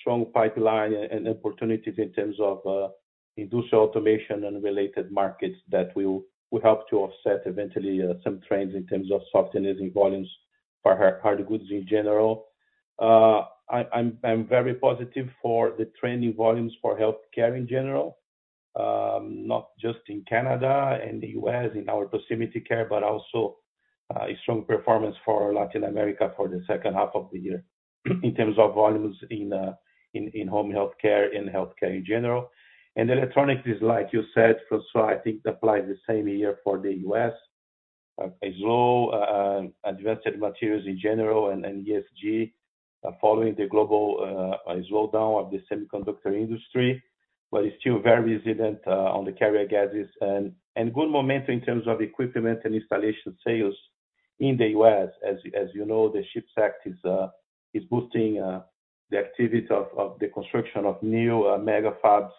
strong pipeline and opportunities in terms of industrial automation and related markets that will help to offset eventually some trends in terms of softness in volumes for hard goods in general. I'm very positive for the trending volumes for healthcare in general, not just in Canada and the U.S., in our proximity care, but also a strong performance for Latin America for the second half of the year, in terms of volumes in home healthcare, in healthcare in general. Electronics is, like you said, François, I think applies the same year for the U.S. A slow advanced materials in general and ESG following the global slowdown of the semiconductor industry, but it's still very resilient on the carrier gases. And good momentum in terms of equipment and installation sales in the U.S. As you know, the CHIPS Act is boosting the activity of the construction of new mega fabs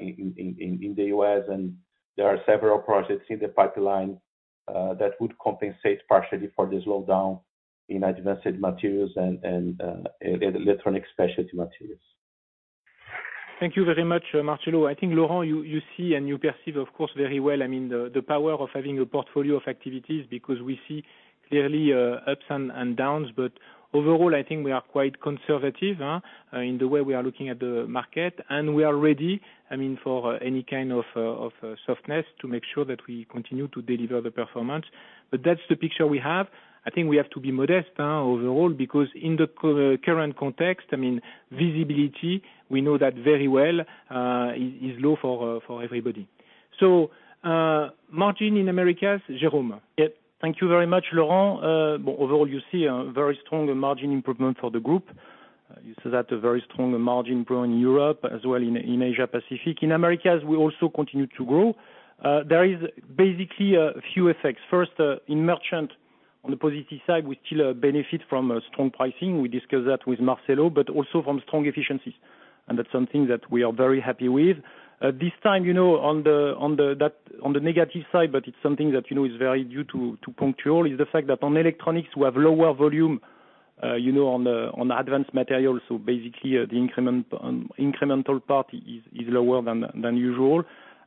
in the U.S. And there are several projects in the pipeline that would compensate partially for the slowdown in advanced materials and electronic specialty materials. Thank you very much, Marcelo. I think, Laurent, you see and you perceive, of course, very well, I mean, the power of having a portfolio of activities, because we see clearly, ups and downs. Overall, I think we are quite conservative in the way we are looking at the market, and we are ready, I mean, for any kind of softness to make sure that we continue to deliver the performance. That's the picture we have. I think we have to be modest, overall, because in the current context, I mean, visibility, we know that very well, is low for everybody. Margin in Americas, Jérôme? Yeah. Thank you very much, Laurent. Overall, you see a very strong margin improvement for the group. You see that a very strong margin growth in Europe, as well in Asia Pacific. In Americas, we also continue to grow. There is basically a few effects. First, in merchant, on the positive side, we still benefit from a strong pricing. We discussed that with Marcelo, but also from strong efficiencies, and that's something that we are very happy with. This time, you know, on the, on the negative side, but it's something that, you know, is very due to punctual, is the fact that on electronics, we have lower volume, you know, on the, on advanced materials. Basically, the increment, incremental part is lower than usual.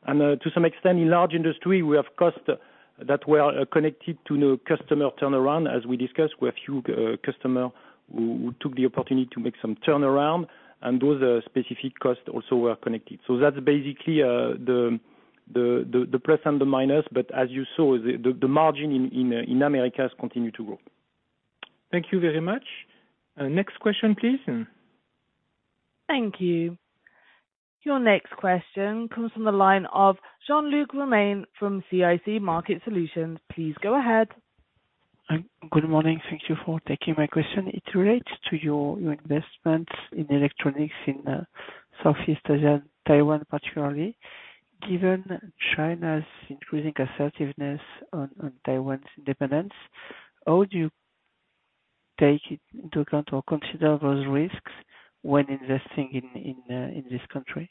To some extent, in large industry, we have costs that were connected to the customer turnaround. As we discussed, we have few customer who took the opportunity to make some turnaround, and those are specific costs also were connected. That's basically.... the plus and the minus, but as you saw, the margin in Americas continue to grow. Thank you very much. Next question, please. Thank you. Your next question comes from the line of Jean-Luc Romain from CIC Market Solutions. Please go ahead. Hi. Good morning. Thank you for taking my question. It relates to your investments in electronics in Southeast Asia, Taiwan particularly. Given China's increasing assertiveness on Taiwan's independence, how do you take it into account or consider those risks when investing in this country?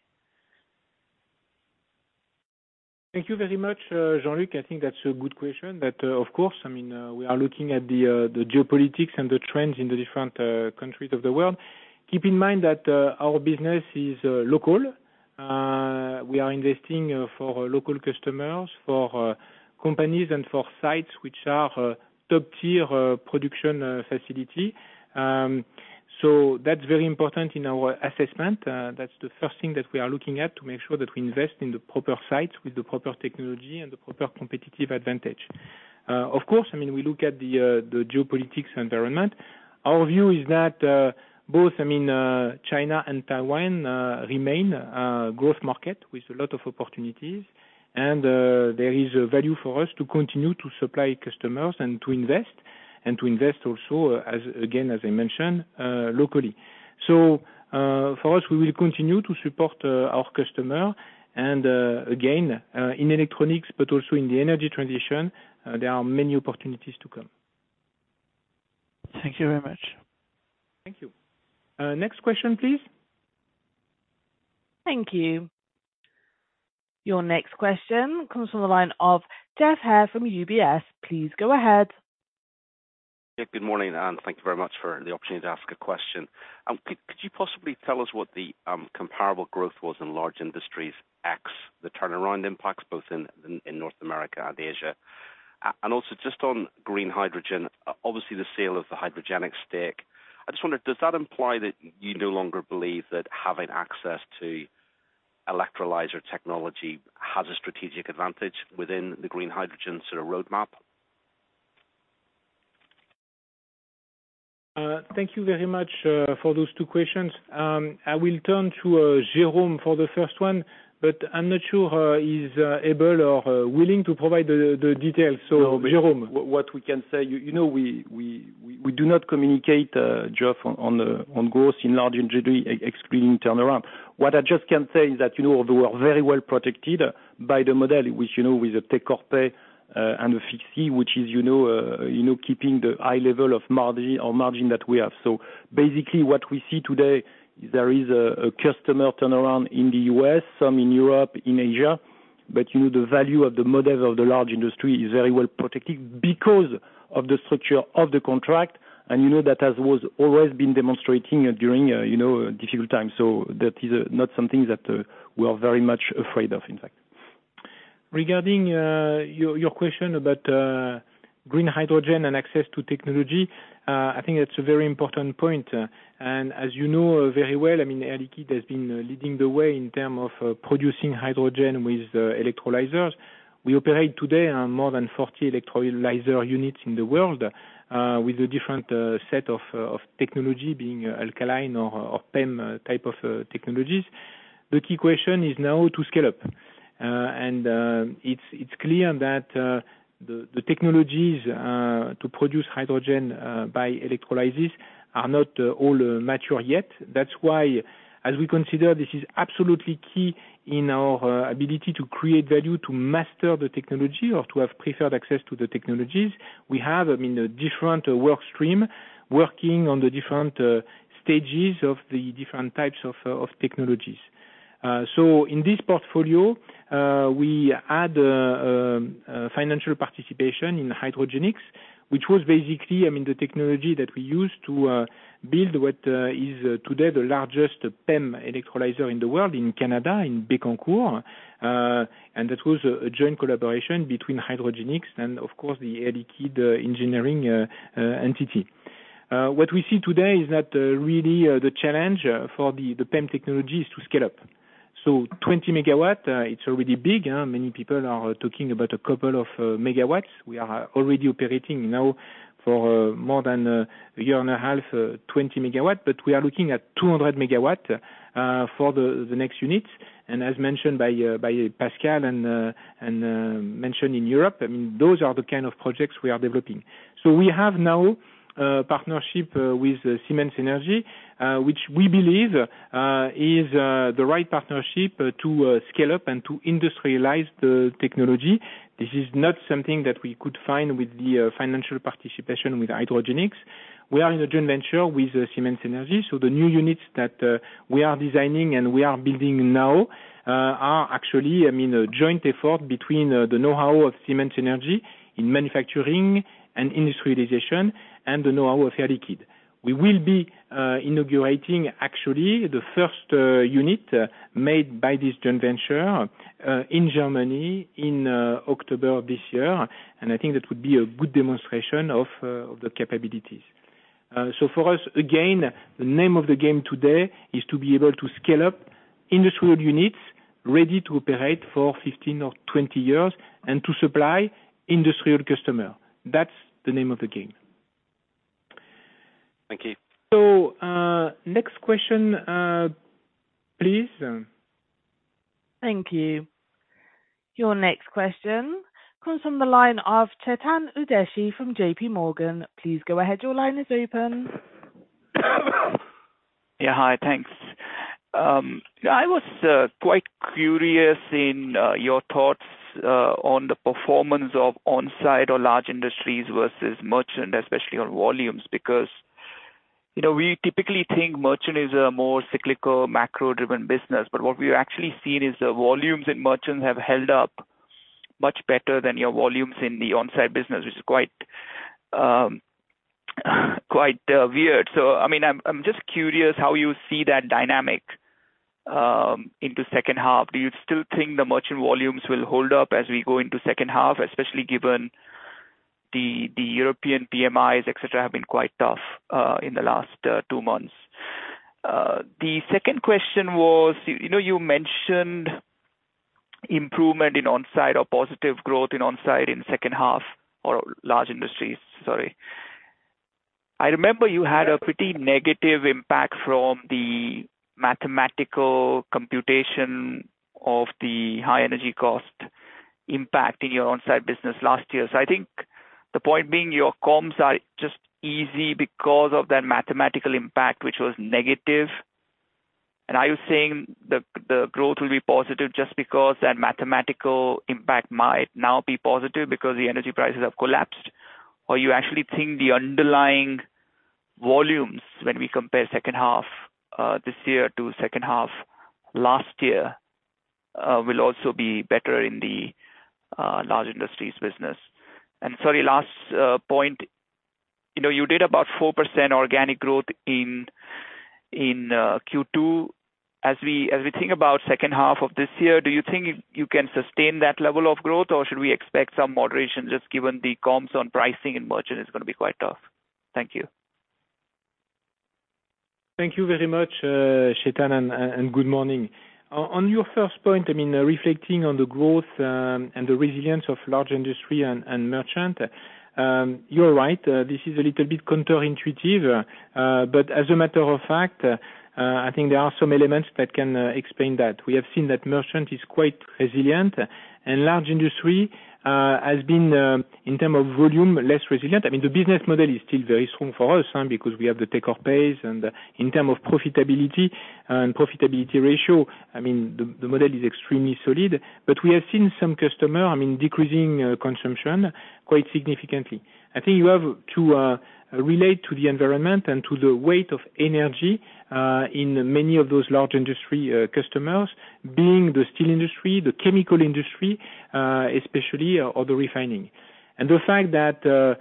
Thank you very much, Jean-Luc. I think that's a good question, but, of course, I mean, we are looking at the geopolitics and the trends in the different countries of the world. Keep in mind that our business is local. We are investing for local customers, for companies and for sites which are top tier production facility. That's very important in our assessment. That's the first thing that we are looking at to make sure that we invest in the proper site, with the proper technology and the proper competitive advantage. Of course, I mean, we look at the geopolitics environment. Our view is that, both, I mean, China and Taiwan, remain growth market with a lot of opportunities, and there is a value for us to continue to supply customers and to invest, and to invest also, as again, as I mentioned, locally. For us, we will continue to support our customer, and, again, in electronics, but also in the energy transition, there are many opportunities to come. Thank you very much. Thank you. Next question, please. Thank you. Your next question comes from the line of Geoff Haire from UBS. Please go ahead. Good morning, and thank you very much for the opportunity to ask a question. Could you possibly tell us what the comparable growth was in large industries, X, the turnaround impacts both in North America and Asia? Also just on green hydrogen, obviously the sale of the Hydrogenics stake. I just wonder, does that imply that you no longer believe that having access to electrolyzer technology has a strategic advantage within the green hydrogen sort of roadmap? Thank you very much for those two questions. I will turn to Jérôme for the first one, but I'm not sure he's able or willing to provide the details. Jérôme? What we can say, you know, we do not communicate, Geoff, on the growth in large industry, excluding turnaround. What I just can say is that, you know, we are very well protected by the model, which, you know, with the take-or-pay and the fixed fee, which is, you know, keeping the high level of margin or margin that we have. Basically, what we see today, there is a customer turnaround in the U.S., some in Europe, in Asia, but, you know, the value of the models of the large industry is very well protected because of the structure of the contract, and you know, that has was always been demonstrating during, you know, difficult times. That is not something that we are very much afraid of, in fact. Regarding your question about green hydrogen and access to technology, I think that's a very important point. As you know, very well, I mean Air Liquide has been leading the way in term of producing hydrogen with electrolyzers. We operate today on more than 40 electrolyzer units in the world, with a different set of technology being alkaline or PEM type of technologies. The key question is now to scale up. It's clear that the technologies to produce hydrogen by electrolysis are not all mature yet. That's why, as we consider this is absolutely key in our ability to create value, to master the technology or to have preferred access to the technologies, we have, I mean, a different work stream, working on the different stages of the different types of technologies. In this portfolio, we add financial participation in Hydrogenics, which was basically, I mean, the technology that we used to build what is today, the largest PEM electrolyzer in the world, in Canada, in Bécancour. That was a joint collaboration between Hydrogenics and of course, the Air Liquide engineering entity. What we see today is that really the challenge for the PEM technology is to scale up. 20 megawatt, it's already big. Many people are talking about a couple of megawatts. We are already operating now for more than a year and a half, 20 megawatt, but we are looking at 200 megawatt for the next unit. As mentioned by Pascal and, mentioned in Europe, I mean, those are the kind of projects we are developing. We have now, partnership, with, Siemens Energy, which we believe, is, the right partnership, to, scale up and to industrialize the technology. This is not something that we could find with the, financial participation with Hydrogenics. We are in a joint venture with Siemens Energy. The new units that, we are designing and we are building now, are actually, I mean, a joint effort between, the know-how of Siemens Energy in manufacturing and industrialization and the know-how of Air Liquide. We will be, inaugurating actually the first, unit, made by this joint venture, in Germany in, October this year. I think that would be a good demonstration of the capabilities. For us, again, the name of the game today is to be able to scale up industrial units ready to operate for 15 or 20 years, and to supply industrial customer. That's the name of the game. Thank you. Next question, please. Thank you. Your next question comes from the line of Chetan Udeshi from JPMorgan. Please go ahead. Your line is open. Hi, thanks. I was quite curious in your thoughts on the performance of on-site or large industries versus merchant, especially on volumes, because, you know, we typically think merchant is a more cyclical, macro-driven business. What we've actually seen is the volumes in merchant have held up much better than your volumes in the on-site business, which is quite weird. I mean, I'm just curious how you see that dynamic into second half. Do you still think the merchant volumes will hold up as we go into second half? Especially given the European PMIs, et cetera, have been quite tough in the last 2 months. The second question was, you know, you mentioned improvement in on-site or positive growth in on-site in second half or large industries, sorry. I remember you had a pretty negative impact from the mathematical computation of the high energy cost impact in your on-site business last year. I think the point being, your comps are just easy because of that mathematical impact, which was negative. Are you saying the growth will be positive just because that mathematical impact might now be positive because the energy prices have collapsed? You actually think the underlying volumes when we compare second half this year to second half last year will also be better in the large industries business? Sorry, last point, you know, you did about 4% organic growth in Q2. As we think about second half of this year, do you think you can sustain that level of growth, or should we expect some moderation, just given the comps on pricing and merchant is gonna be quite tough? Thank you. Thank you very much, Chetan, and good morning. On your first point, I mean, reflecting on the growth, and the resilience of large industry and merchant, you're right. This is a little bit counterintuitive. But as a matter of fact, I think there are some elements that can explain that. We have seen that merchant is quite resilient, and large industry has been in terms of volume, less resilient. I mean, the business model is still very strong for us, because we have the take-or-pay. In terms of profitability and profitability ratio, I mean, the model is extremely solid. We have seen some customer, I mean, decreasing consumption quite significantly. I think you have to relate to the environment and to the weight of energy in many of those large industry customers, being the steel industry, the chemical industry, especially, or the refining. The fact that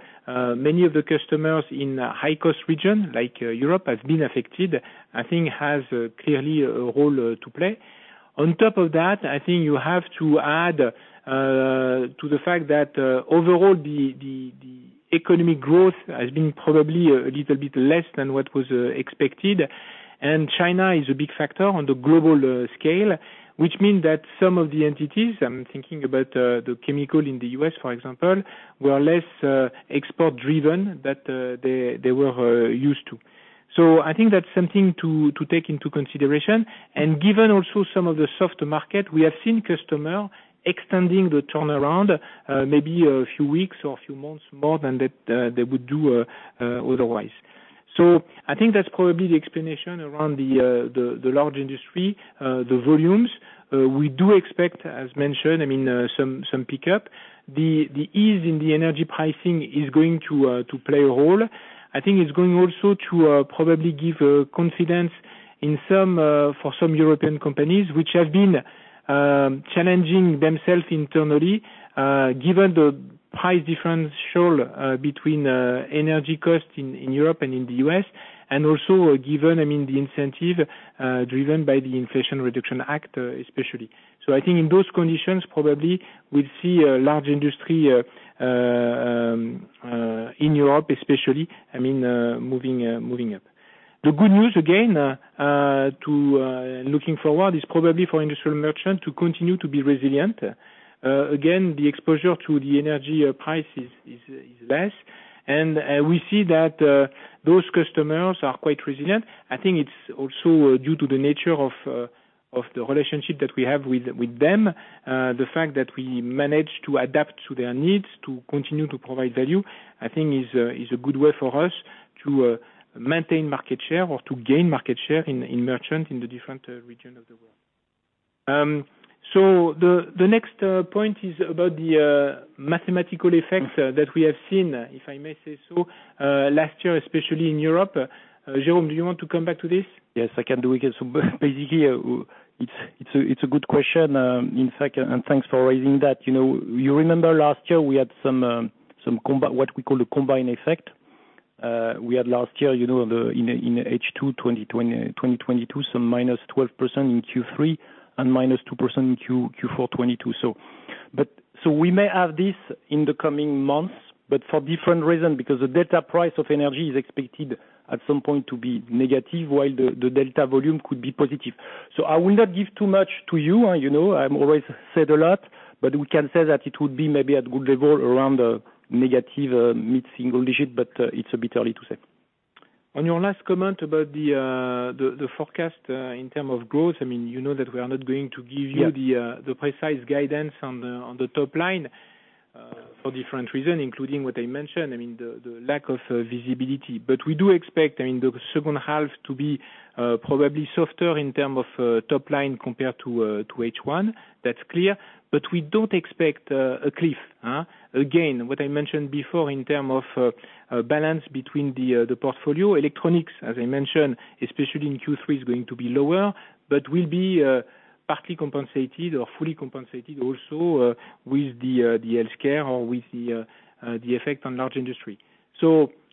many of the customers in high-cost regions, like Europe, have been affected, I think has clearly a role to play. On top of that, I think you have to add to the fact that overall, the economic growth has been probably a little bit less than what was expected. China is a big factor on the global scale, which means that some of the entities, I'm thinking about the chemical in the US, for example, were less export driven than they were used to. I think that's something to take into consideration. Given also some of the soft market, we have seen customer extending the turnaround, maybe a few weeks or a few months more than that, they would do otherwise. I think that's probably the explanation around the large industry, the volumes. We do expect, as mentioned, I mean, some pickup. The ease in the energy pricing is going to play a role. I think it's going also to probably give confidence in some for some European companies, which have been challenging themselves internally, given the price differential between energy costs in Europe and in the U.S. Also given, I mean, the incentive driven by the Inflation Reduction Act, especially. I think in those conditions, probably we'll see a large industry in Europe especially, I mean, moving up. The good news again, to looking forward, is probably for industrial merchant to continue to be resilient. Again, the exposure to the energy price is less, we see that those customers are quite resilient. I think it's also due to the nature of the relationship that we have with them. The fact that we manage to adapt to their needs, to continue to provide value, I think is a good way for us to maintain market share or to gain market share in merchant in the different region of the world. The, the next point is about the mathematical effects that we have seen, if I may say so, last year, especially in Europe. Jérôme, do you want to come back to this? Yes, I can do it again. Basically, it's a good question, in fact, thanks for raising that. You know, you remember last year we had some what we call a combined effect? We had last year, you know, in H2 2022, some -12% in Q3 and -2% in Q4 2022. We may have this in the coming months, but for different reasons, because the data price of energy is expected at some point to be negative, while the delta volume could be positive. I will not give too much to you. You know, I'm always said a lot, but we can say that it would be maybe at good level around the negative mid-single digit, but it's a bit early to say. On your last comment about the forecast in terms of growth, I mean, you know, that we are not going to give you the precise guidance on the top line for different reasons, including what I mentioned. I mean, the lack of visibility. We do expect in the second half to be probably softer in term of top line compared to H1. That's clear. We don't expect a cliff. Again, what I mentioned before in term of balance between the portfolio. Electronics, as I mentioned, especially in Q3, is going to be lower, but will be partly compensated or fully compensated also with the healthcare or with the effect on large industry.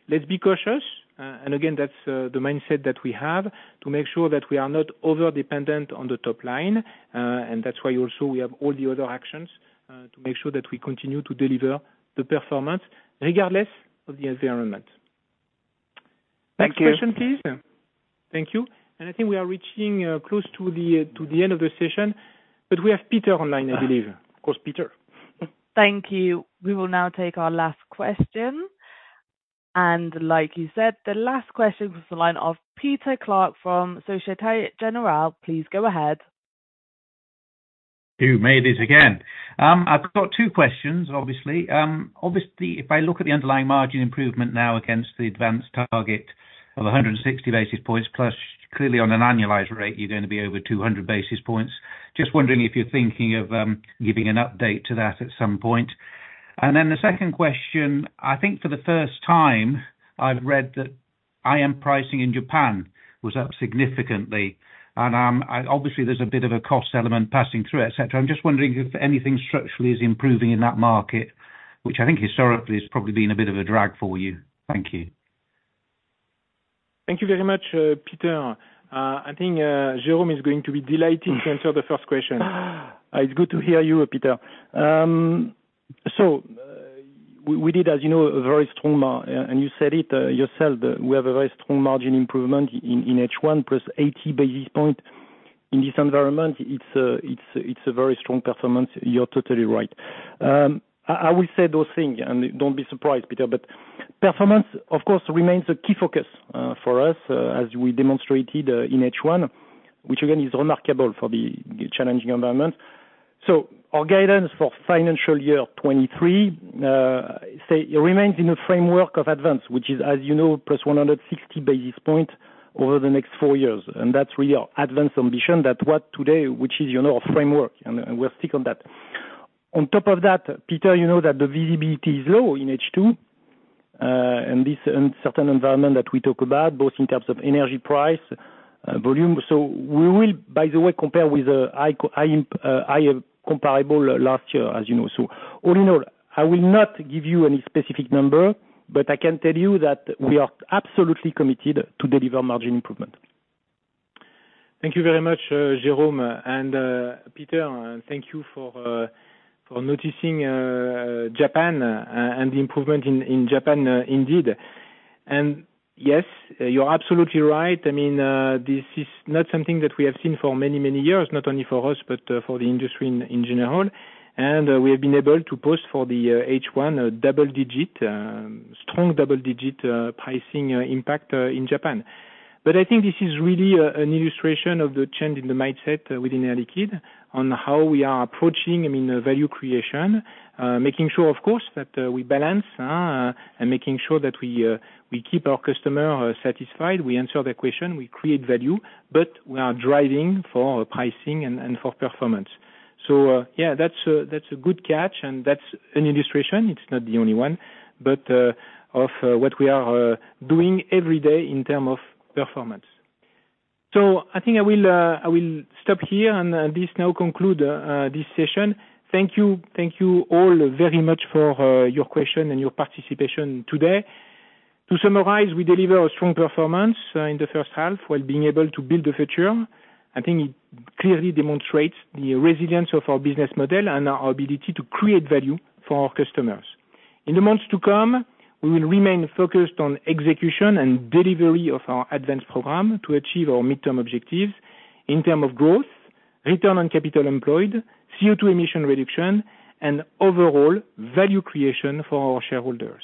Let's be cautious. And again, that's the mindset that we have to make sure that we are not over-dependent on the top line, and that's why also we have all the other actions to make sure that we continue to deliver the performance, regardless of the environment. Thank you. Next question, please. Thank you. I think we are reaching close to the end of the session, but we have Peter online, I believe. Of course, Peter. Thank you. We will now take our last question, and like you said, the last question was the line of Peter Clark from Société Générale. Please go ahead. You made it again. I've got two questions, obviously. Obviously, if I look at the underlying margin improvement now against the ADVANCE target of 160 basis points, plus clearly on an annualized rate, you're going to be over 200 basis points. Just wondering if you're thinking of giving an update to that at some point? Then the second question: I think for the first time, I've read that IM pricing in Japan was up significantly, and obviously there's a bit of a cost element passing through, et cetera. I'm just wondering if anything structurally is improving in that market, which I think historically has probably been a bit of a drag for you. Thank you. Thank you very much, Peter. I think Jérôm is going to be delighted to answer the first question. It's good to hear you, Peter. We did, as you know, a very strong margin improvement in H1, plus 80 basis points. In this environment, it's a very strong performance. You're totally right. I will say those thing, and don't be surprised, Peter, but performance, of course, remains a key focus for us, as we demonstrated in H1, which again, is remarkable for the challenging environment. Our guidance for financial year 2023 remains in a framework of ADVANCE, which is, as you know, +160 basis points over the next 4 years, and that's really our ADVANCE ambition. That what today, which is, you know, a framework, and we'll stick on that. On top of that, Peter, you know, that the visibility is low in H2, and this uncertain environment that we talk about, both in terms of energy price, volume. We will, by the way, compare with high comparative last year, as you know. All in all, I will not give you any specific number, but I can tell you that we are absolutely committed to deliver margin improvement. Thank you very much, Jérôme and Peter, and thank you for noticing Japan and the improvement in Japan indeed. Yes, you're absolutely right. I mean, this is not something that we have seen for many, many years, not only for us, but for the industry in general. We have been able to push for the H1, a double digit, strong double digit pricing impact in Japan. I think this is really an illustration of the change in the mindset within Air Liquide, on how we are approaching, I mean, the value creation. Making sure, of course, that we balance and making sure that we keep our customer satisfied. We answer the question, we create value, but we are driving for pricing and for performance. Yeah, that's a, that's a good catch, and that's an illustration. It's not the only one, but, of, what we are doing every day in term of performance. I think I will, I will stop here and, this now conclude, this session. Thank you. Thank you all very much for, your question and your participation today. To summarize, we deliver a strong performance, in the first half, while being able to build the future. I think it clearly demonstrates the resilience of our business model and our ability to create value for our customers. In the months to come, we will remain focused on execution and delivery of our ADVANCE program to achieve our midterm objectives in term of growth, return on capital employed, CO2 emission reduction, and overall value creation for our shareholders.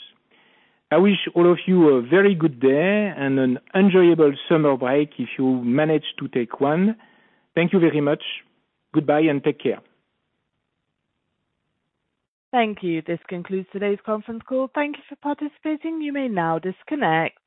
I wish all of you a very good day and an enjoyable summer break if you manage to take one. Thank you very much. Goodbye, and take care. Thank you. This concludes today's conference call. Thank you for participating. You may now disconnect.